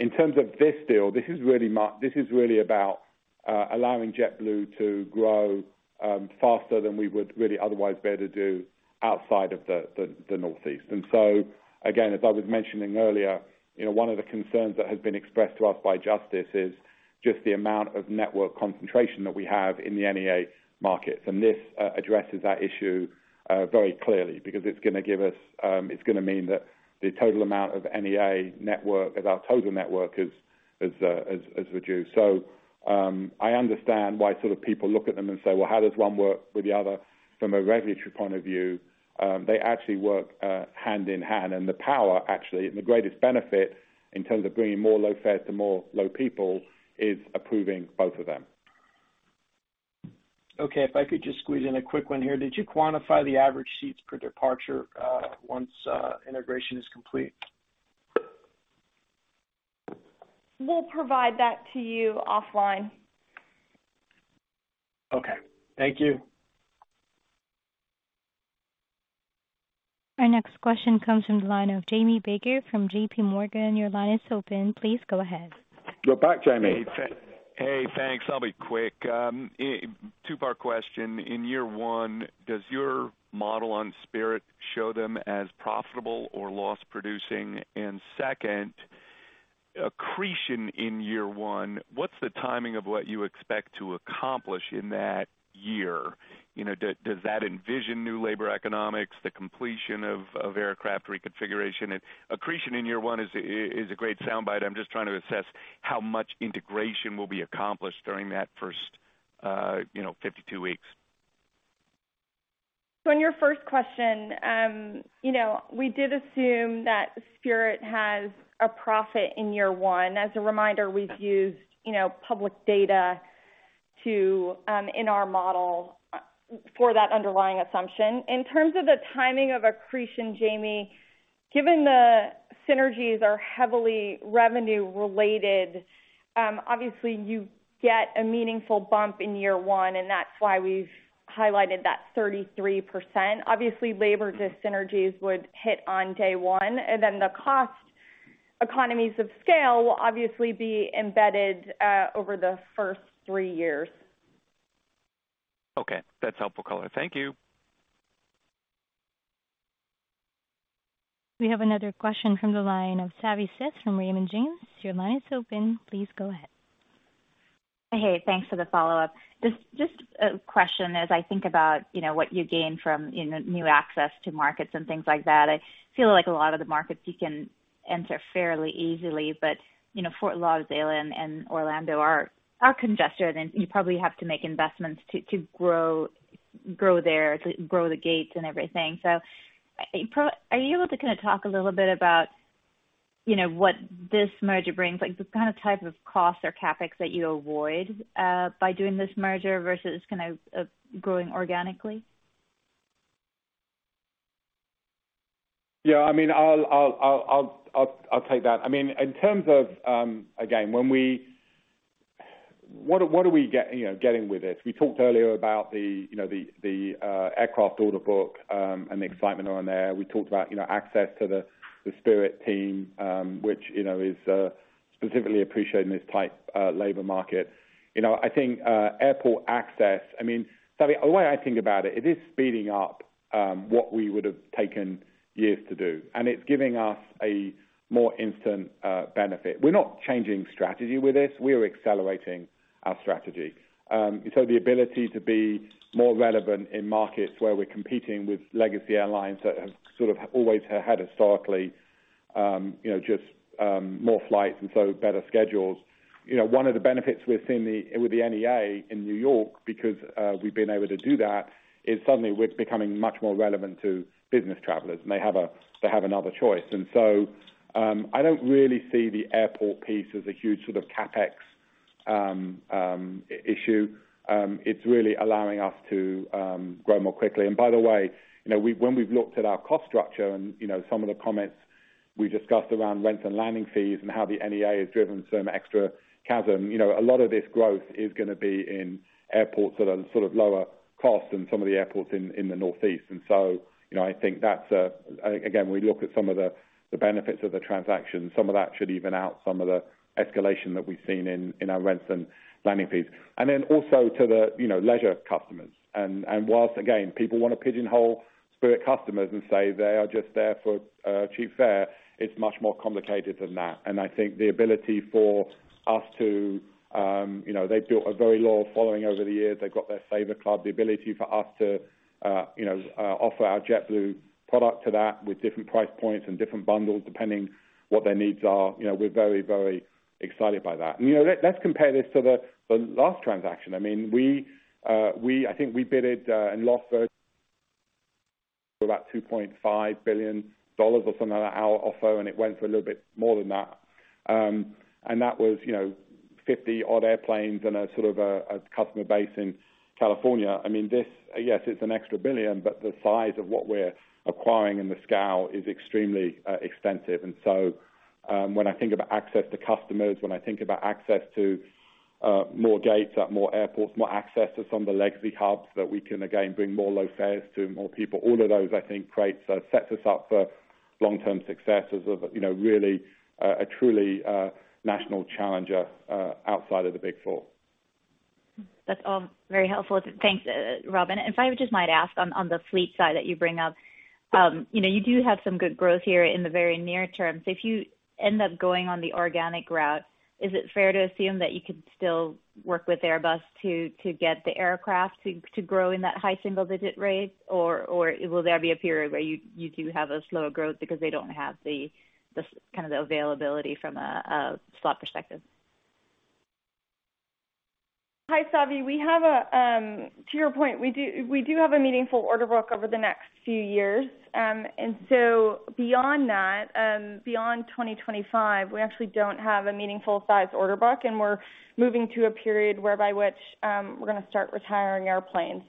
In terms of this deal, this is really about allowing JetBlue to grow faster than we would really otherwise be able to do outside of the Northeast. Again, as I was mentioning earlier, you know, one of the concerns that has been expressed to us by Justice is just the amount of network concentration that we have in the NEA markets. This addresses that issue very clearly because it's gonna mean that the total amount of NEA network as our total network is reduced. I understand why some people look at them and say, "Well, how does one work with the other from a regulatory point of view?" They actually work hand in hand, and the power, actually, and the greatest benefit in terms of bringing more low fares to more people is approving both of them. Okay. If I could just squeeze in a quick one here. Did you quantify the average seats per departure, once integration is complete? We'll provide that to you offline. Okay. Thank you. Our next question comes from the line of Jamie Baker from J.P. Morgan. Your line is open. Please go ahead. You're back, Jamie. Hey, thanks. I'll be quick. A two-part question. In year one, does your model on Spirit show them as profitable or loss-producing? Second, accretion in year one, what's the timing of what you expect to accomplish in that year? Does that envision new labor economics, the completion of aircraft reconfiguration? Accretion in year one is a great soundbite. I'm just trying to assess how much integration will be accomplished during that first 52 weeks. In your first question, you know, we did assume that Spirit has a profit in year one. As a reminder, we've used, you know, public data to, in our model for that underlying assumption. In terms of the timing of accretion, Jamie, given the synergies are heavily revenue related, obviously you get a meaningful bump in year one, and that's why we've highlighted that 33%. Obviously, labor synergies would hit on day one, and then the cost economies of scale will obviously be embedded, over the first three years. Okay. That's helpful color. Thank you. We have another question from the line of Savanthi Syth from Raymond James. Your line is open. Please go ahead. Hey, thanks for the follow-up. Just a question as I think about, you know, what you gain from, you know, new access to markets and things like that. I feel like a lot of the markets you can enter fairly easily, but, you know, Fort Lauderdale and Orlando are congested, and you probably have to make investments to grow there, to grow the gates and everything. Are you able to kinda talk a little bit about, you know, what this merger brings? Like, the kind of type of costs or CapEx that you avoid by doing this merger versus kind of growing organically? Yeah, I mean, I'll take that. I mean, in terms of, again, what are we getting with this? We talked earlier about the aircraft order book and the excitement around there. We talked about access to the Spirit team, which is specifically appreciated in this tight labor market. I think airport access, I mean, Savi, the way I think about it is speeding up what we would have taken years to do, and it's giving us a more instant benefit. We're not changing strategy with this. We are accelerating our strategy. The ability to be more relevant in markets where we're competing with legacy airlines that have sort of always had historically, you know, just, more flights and so better schedules. You know, one of the benefits we've seen with the NEA in New York, because we've been able to do that, is suddenly we're becoming much more relevant to business travelers, and they have another choice. I don't really see the airport piece as a huge sort of CapEx issue. It's really allowing us to grow more quickly. By the way, you know, when we've looked at our cost structure and, you know, some of the comments we discussed around rent and landing fees and how the NEA has driven some extra CASM, you know, a lot of this growth is gonna be in airports that are sort of lower cost than some of the airports in the Northeast. You know, I think that's a again, when you look at some of the benefits of the transaction, some of that should even out some of the escalation that we've seen in our rents and landing fees, then also to the leisure customers. Whilst, again, people wanna pigeonhole Spirit customers and say they are just there for cheap fare, it's much more complicated than that. I think the ability for us to, you know, they've built a very loyal following over the years. They've got their Saver Club. The ability for us to, you know, offer our JetBlue product to that with different price points and different bundles, depending what their needs are, you know, we're very, very excited by that. You know, let's compare this to the last transaction. I mean, I think we bid it and lost for about $2.5 billion or something like that, our offer, and it went for a little bit more than that. That was, you know, 50-odd airplanes and a sort of a customer base in California. I mean, this, yes, it's an extra $1 billion, but the size of what we're acquiring and the scale is extremely extensive. When I think about access to customers, when I think about access to more gates at more airports, more access to some of the legacy hubs that we can, again, bring more low fares to more people, all of those, I think, sets us up for long-term success as a, you know, really, a truly, national challenger, outside of the Big Four. That's all very helpful. Thanks, Robin. If I just might ask on the fleet side that you bring up, you do have some good growth here in the very near term. If you end up going on the organic route, is it fair to assume that you could still work with Airbus to get the aircraft to grow in that high single-digit rate? Or will there be a period where you do have a slower growth because they don't have the kind of availability from a slot perspective? Hi, Savi. To your point, we do have a meaningful order book over the next few years. Beyond that, beyond 2025, we actually don't have a meaningful size order book, and we're moving to a period whereby which we're gonna start retiring our planes.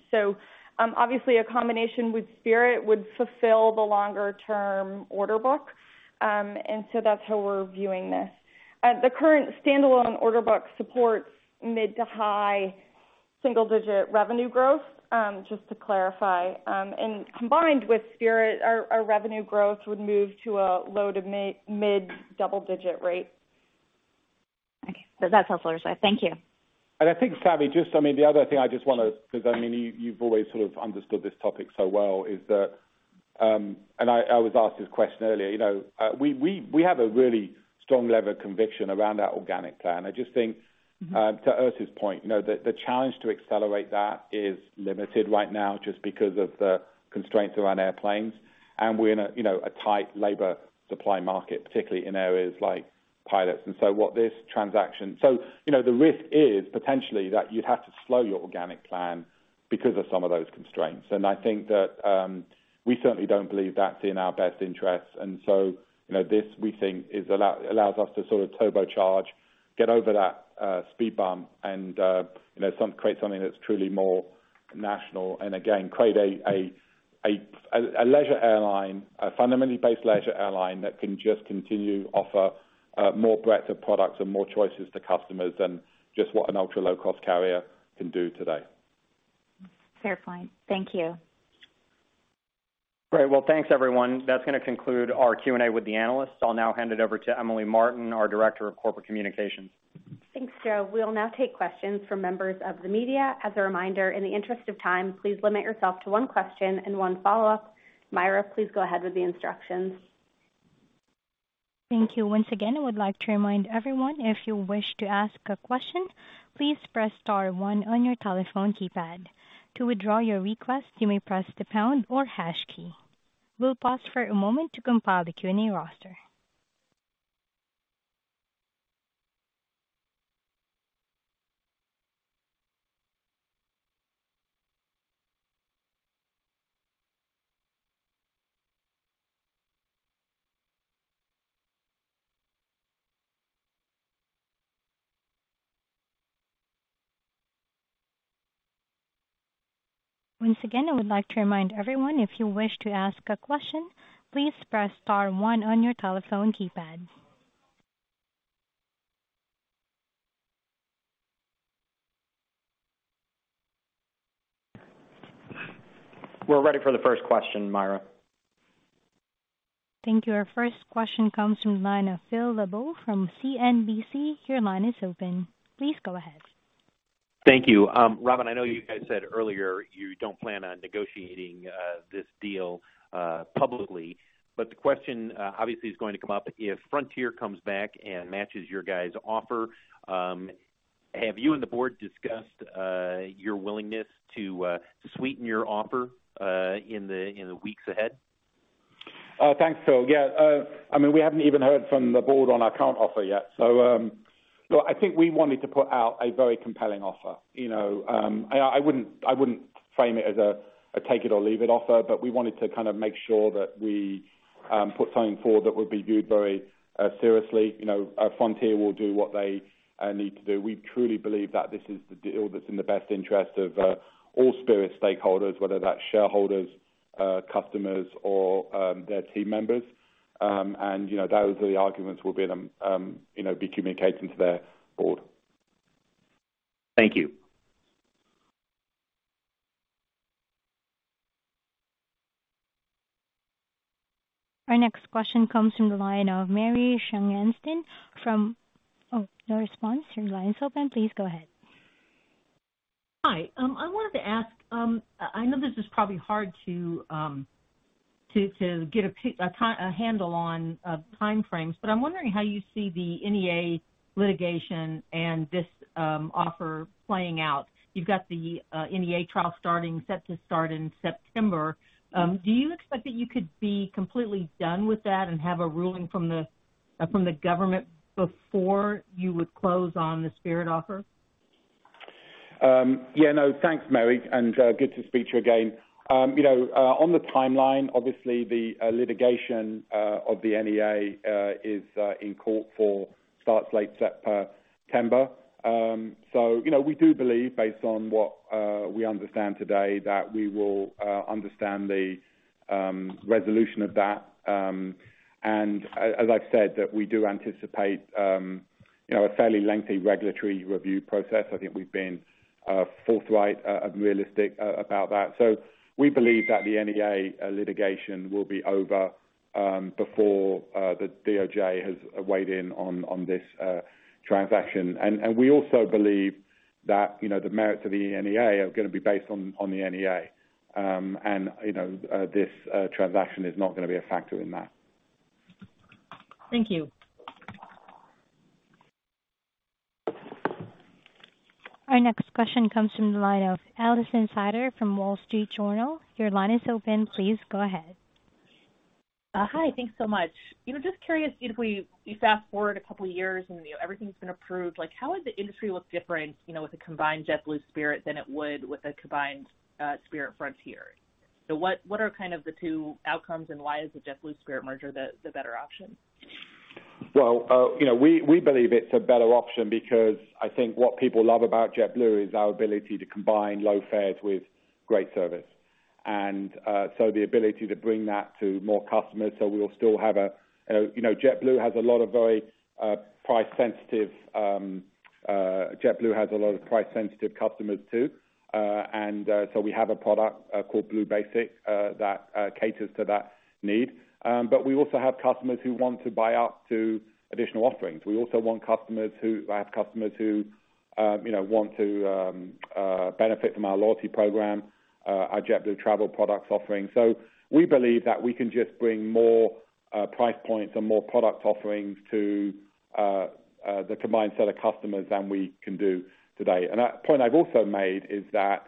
Obviously a combination with Spirit would fulfill the longer-term order book. That's how we're viewing this. The current standalone order book supports mid- to high single-digit revenue growth, just to clarify. Combined with Spirit, our revenue growth would move to a low- to mid-double-digit rate. That's helpful, Ursula. Thank you. I think, Savi Syth, just, I mean, the other thing I just wanna, 'cause I mean, you've always sort of understood this topic so well, is that, and I always ask this question earlier, you know, we have a really strong level of conviction around our organic plan. I just think- Mm-hmm. To Ursula's point, you know, the challenge to accelerate that is limited right now just because of the constraints around airplanes. We're in a tight labor supply market, you know, particularly in areas like pilots. You know, the risk is potentially that you'd have to slow your organic plan because of some of those constraints. I think that we certainly don't believe that's in our best interest. You know, this we think allows us to sort of turbocharge, get over that speed bump and you know, create something that's truly more national. Again, create a leisure airline, a fundamentally based leisure airline that can just continue to offer more breadth of products and more choices to customers than just what an ultra-low-cost carrier can do today. Fair point. Thank you. Great. Well, thanks, everyone. That's gonna conclude our Q&A with the analysts. I'll now hand it over to Emily Martin, our Director of Corporate Communications. Thanks, Joe. We'll now take questions from members of the media. As a reminder, in the interest of time, please limit yourself to one question and one follow-up. Myra, please go ahead with the instructions. Thank you. Once again, I would like to remind everyone, if you wish to ask a question, please press star one on your telephone keypad. To withdraw your request, you may press the pound or hash key. We'll pause for a moment to compile the Q&A roster. Once again, I would like to remind everyone, if you wish to ask a question, please press star one on your telephone keypad. We're ready for the first question, Myra. Thank you. Our first question comes from the line of Phil LeBeau from CNBC. Your line is open. Please go ahead. Thank you. Robin, I know you guys said earlier you don't plan on negotiating this deal, but the question obviously is going to come up. If Frontier comes back and matches your guys' offer, have you and the board discussed your willingness to sweeten your offer in the weeks ahead? Thanks, Phil LeBeau. Yeah. I mean, we haven't even heard from the board on our current offer yet. I think we wanted to put out a very compelling offer. You know, I wouldn't frame it as a take it or leave it offer, but we wanted to kind of make sure that we put something forward that would be viewed very seriously. You know, Frontier will do what they need to do. We truly believe that this is the deal that's in the best interest of all Spirit stakeholders, whether that's shareholders, customers or their team members. You know, those are the arguments we'll be communicating to their board. Thank you. Our next question comes from the line of Mary Schlangenstein from. Oh, no response. Your line is open. Please go ahead. Hi, I wanted to ask, I know this is probably hard to get a handle on time frames, but I'm wondering how you see the NEA litigation and this offer playing out. You've got the NEA trial set to start in September. Do you expect that you could be completely done with that and have a ruling from the government before you would close on the Spirit offer? Yeah, no, thanks, Mary, and good to speak to you again. You know, on the timeline, obviously the litigation of the NEA is in court, which starts late September. You know, we do believe based on what we understand today that we will understand the resolution of that. As I've said, we do anticipate you know a fairly lengthy regulatory review process. I think we've been forthright and realistic about that. We believe that the NEA litigation will be over before the DOJ has weighed in on this transaction. We also believe that you know the merits of the NEA are gonna be based on the NEA. You know, this transaction is not gonna be a factor in that. Thank you. Our next question comes from the line of Alison Sider from The Wall Street Journal. Your line is open. Please go ahead. Hi. Thanks so much. Just curious, if we fast forward a couple years and everything's been approved, like, how would the industry look different with a combined JetBlue Spirit than it would with a combined Spirit Frontier? What are kind of the two outcomes, and why is the JetBlue Spirit merger the better option? Well, you know, we believe it's a better option because I think what people love about JetBlue is our ability to combine low fares with great service, the ability to bring that to more customers. We'll still have a, you know, JetBlue has a lot of very price sensitive customers too, so we have a product called Blue Basic that caters to that need. But we also have customers who want to buy up to additional offerings. We also have customers who, you know, want to benefit from our loyalty program, our JetBlue travel products offering. We believe that we can just bring more price points and more product offerings to the combined set of customers than we can do today. A point I've also made is that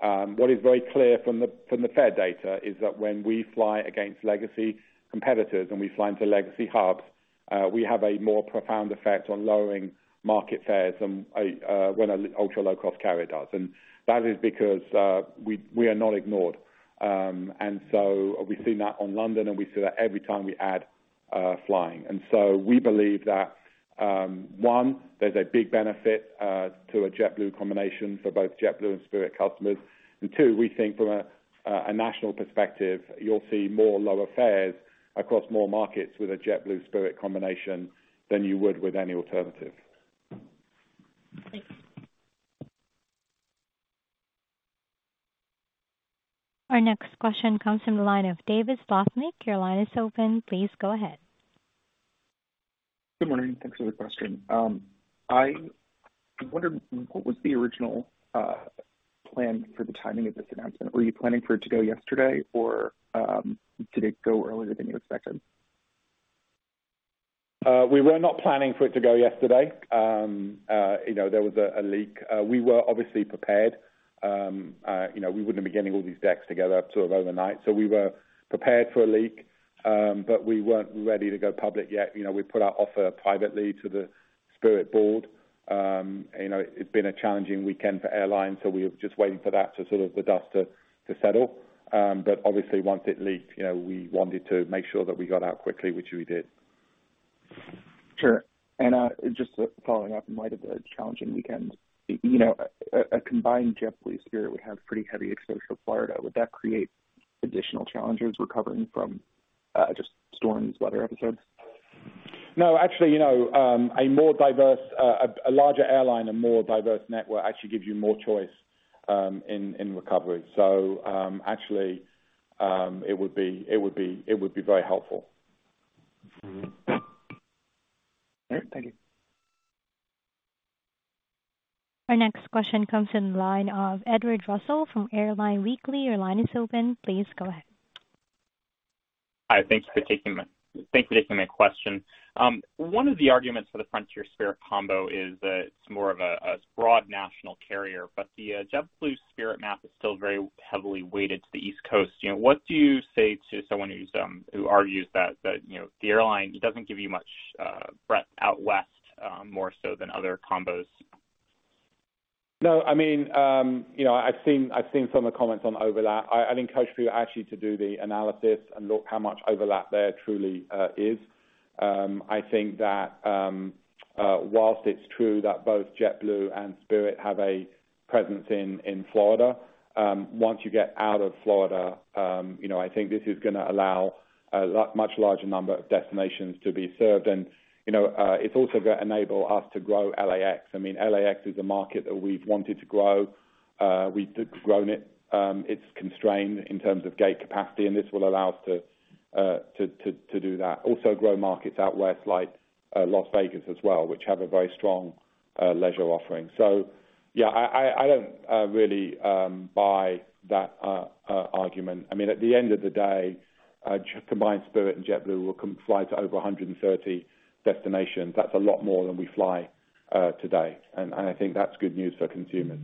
what is very clear from the fare data is that when we fly against legacy competitors and we fly into legacy hubs, we have a more profound effect on lowering market fares than when an ultra-low-cost carrier does. That is because we are not ignored. We've seen that on London, and we see that every time we add flying. We believe that one, there's a big benefit to a JetBlue combination for both JetBlue and Spirit customers. Two, we think from a national perspective, you'll see more lower fares across more markets with a JetBlue-Spirit combination than you would with any alternative. Thanks. Our next question comes from the line of David Slotnick. Your line is open. Please go ahead. Good morning. Thanks for the question. I wondered what was the original plan for the timing of this announcement. Were you planning for it to go yesterday or did it go earlier than you expected? We were not planning for it to go yesterday. You know, there was a leak. We were obviously prepared. You know, we wouldn't be getting all these decks together sort of overnight. We were prepared for a leak, but we weren't ready to go public yet. You know, we put our offer privately to the Spirit board. You know, it's been a challenging weekend for airlines, so we're just waiting for the dust to settle. Obviously once it leaked, you know, we wanted to make sure that we got out quickly, which we did. Sure. Just following up, in light of the challenging weekend, you know, a combined JetBlue-Spirit would have pretty heavy exposure to Florida. Would that create additional challenges recovering from just storms, weather episodes? No, actually, you know, a more diverse, a larger airline and more diverse network actually gives you more choice, in recovery. Actually, it would be very helpful. All right. Thank you. Our next question comes from the line of Edward Russell from Airline Weekly. Your line is open. Please go ahead. Hi. Thank you for taking my question. One of the arguments for the Frontier-Spirit combo is that it's more of a broad national carrier, but the JetBlue Spirit map is still very heavily weighted to the East Coast. You know, what do you say to someone who argues that you know, the airline doesn't give you much breadth out West, more so than other combos? No, I mean, you know, I've seen some of the comments on overlap. I think I urge for you actually to do the analysis and look how much overlap there truly is. I think that while it's true that both JetBlue and Spirit have a presence in Florida, once you get out of Florida, you know, I think this is gonna allow a much larger number of destinations to be served. You know, it's also gonna enable us to grow LAX. I mean, LAX is a market that we've wanted to grow. We've grown it. It's constrained in terms of gate capacity, and this will allow us to do that. Grow markets out west like Las Vegas as well, which have a very strong leisure offering. Yeah, I don't really buy that argument. I mean, at the end of the day, combined Spirit and JetBlue will fly to over 100 destinations. That's a lot more than we fly today. I think that's good news for consumers.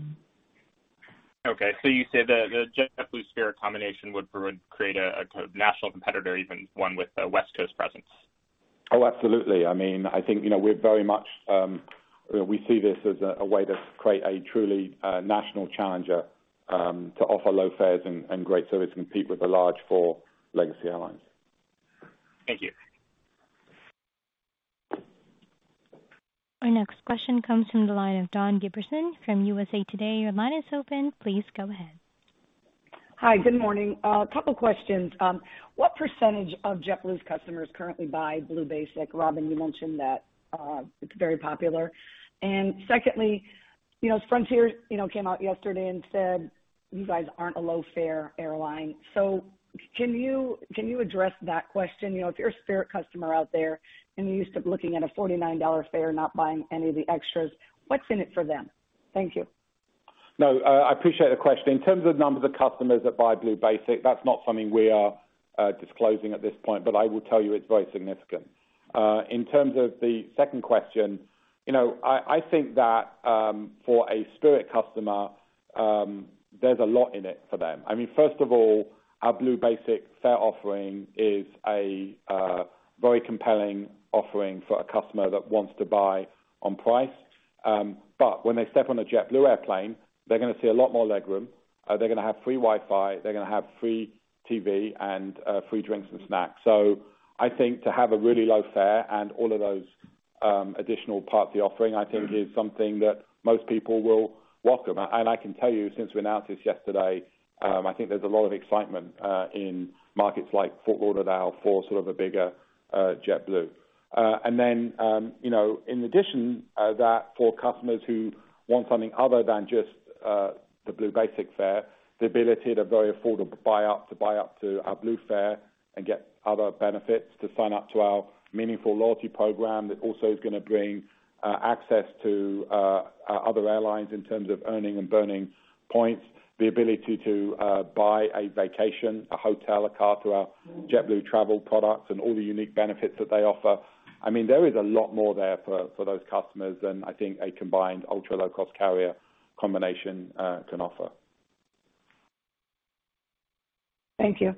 Okay. You say the JetBlue-Spirit combination would create a national competitor, even one with a West Coast presence? Oh, absolutely. I mean, I think, you know, we're very much, we see this as a way to create a truly national challenger to offer low fares and great service to compete with the large four legacy airlines. Thank you. Our next question comes from the line of Dawn Gilbertson from USA Today. Your line is open. Please go ahead. Hi. Good morning. A couple questions. What percentage of JetBlue's customers currently buy Blue Basic? Robin, you mentioned that, it's very popular. Secondly, you know, as Frontier, you know, came out yesterday and said, you guys aren't a low-fare airline. Can you address that question? You know, if you're a Spirit customer out there and you're used to looking at a $49 fare, not buying any of the extras, what's in it for them? Thank you. No, I appreciate the question. In terms of numbers of customers that buy Blue Basic, that's not something we are disclosing at this point, but I will tell you it's very significant. In terms of the second question, you know, I think that for a Spirit customer, there's a lot in it for them. I mean, first of all, our Blue Basic fare offering is a very compelling offering for a customer that wants to buy on price. When they step on a JetBlue airplane, they're gonna see a lot more legroom, they're gonna have free Wi-Fi, they're gonna have free TV and free drinks and snacks. I think to have a really low fare and all of those additional parts of the offering, I think is something that most people will welcome. I can tell you since we announced this yesterday, I think there's a lot of excitement in markets like Fort Lauderdale for sort of a bigger JetBlue. You know, in addition, that for customers who want something other than just the Blue Basic fare, the ability at a very affordable buy-up to buy up to our Blue fare and get other benefits to sign up to our meaningful loyalty program, that also is gonna bring access to other airlines in terms of earning and burning points, the ability to buy a vacation, a hotel, a car through our JetBlue travel products and all the unique benefits that they offer. I mean, there is a lot more there for those customers than I think a combined ultra-low-cost carrier combination can offer. Thank you.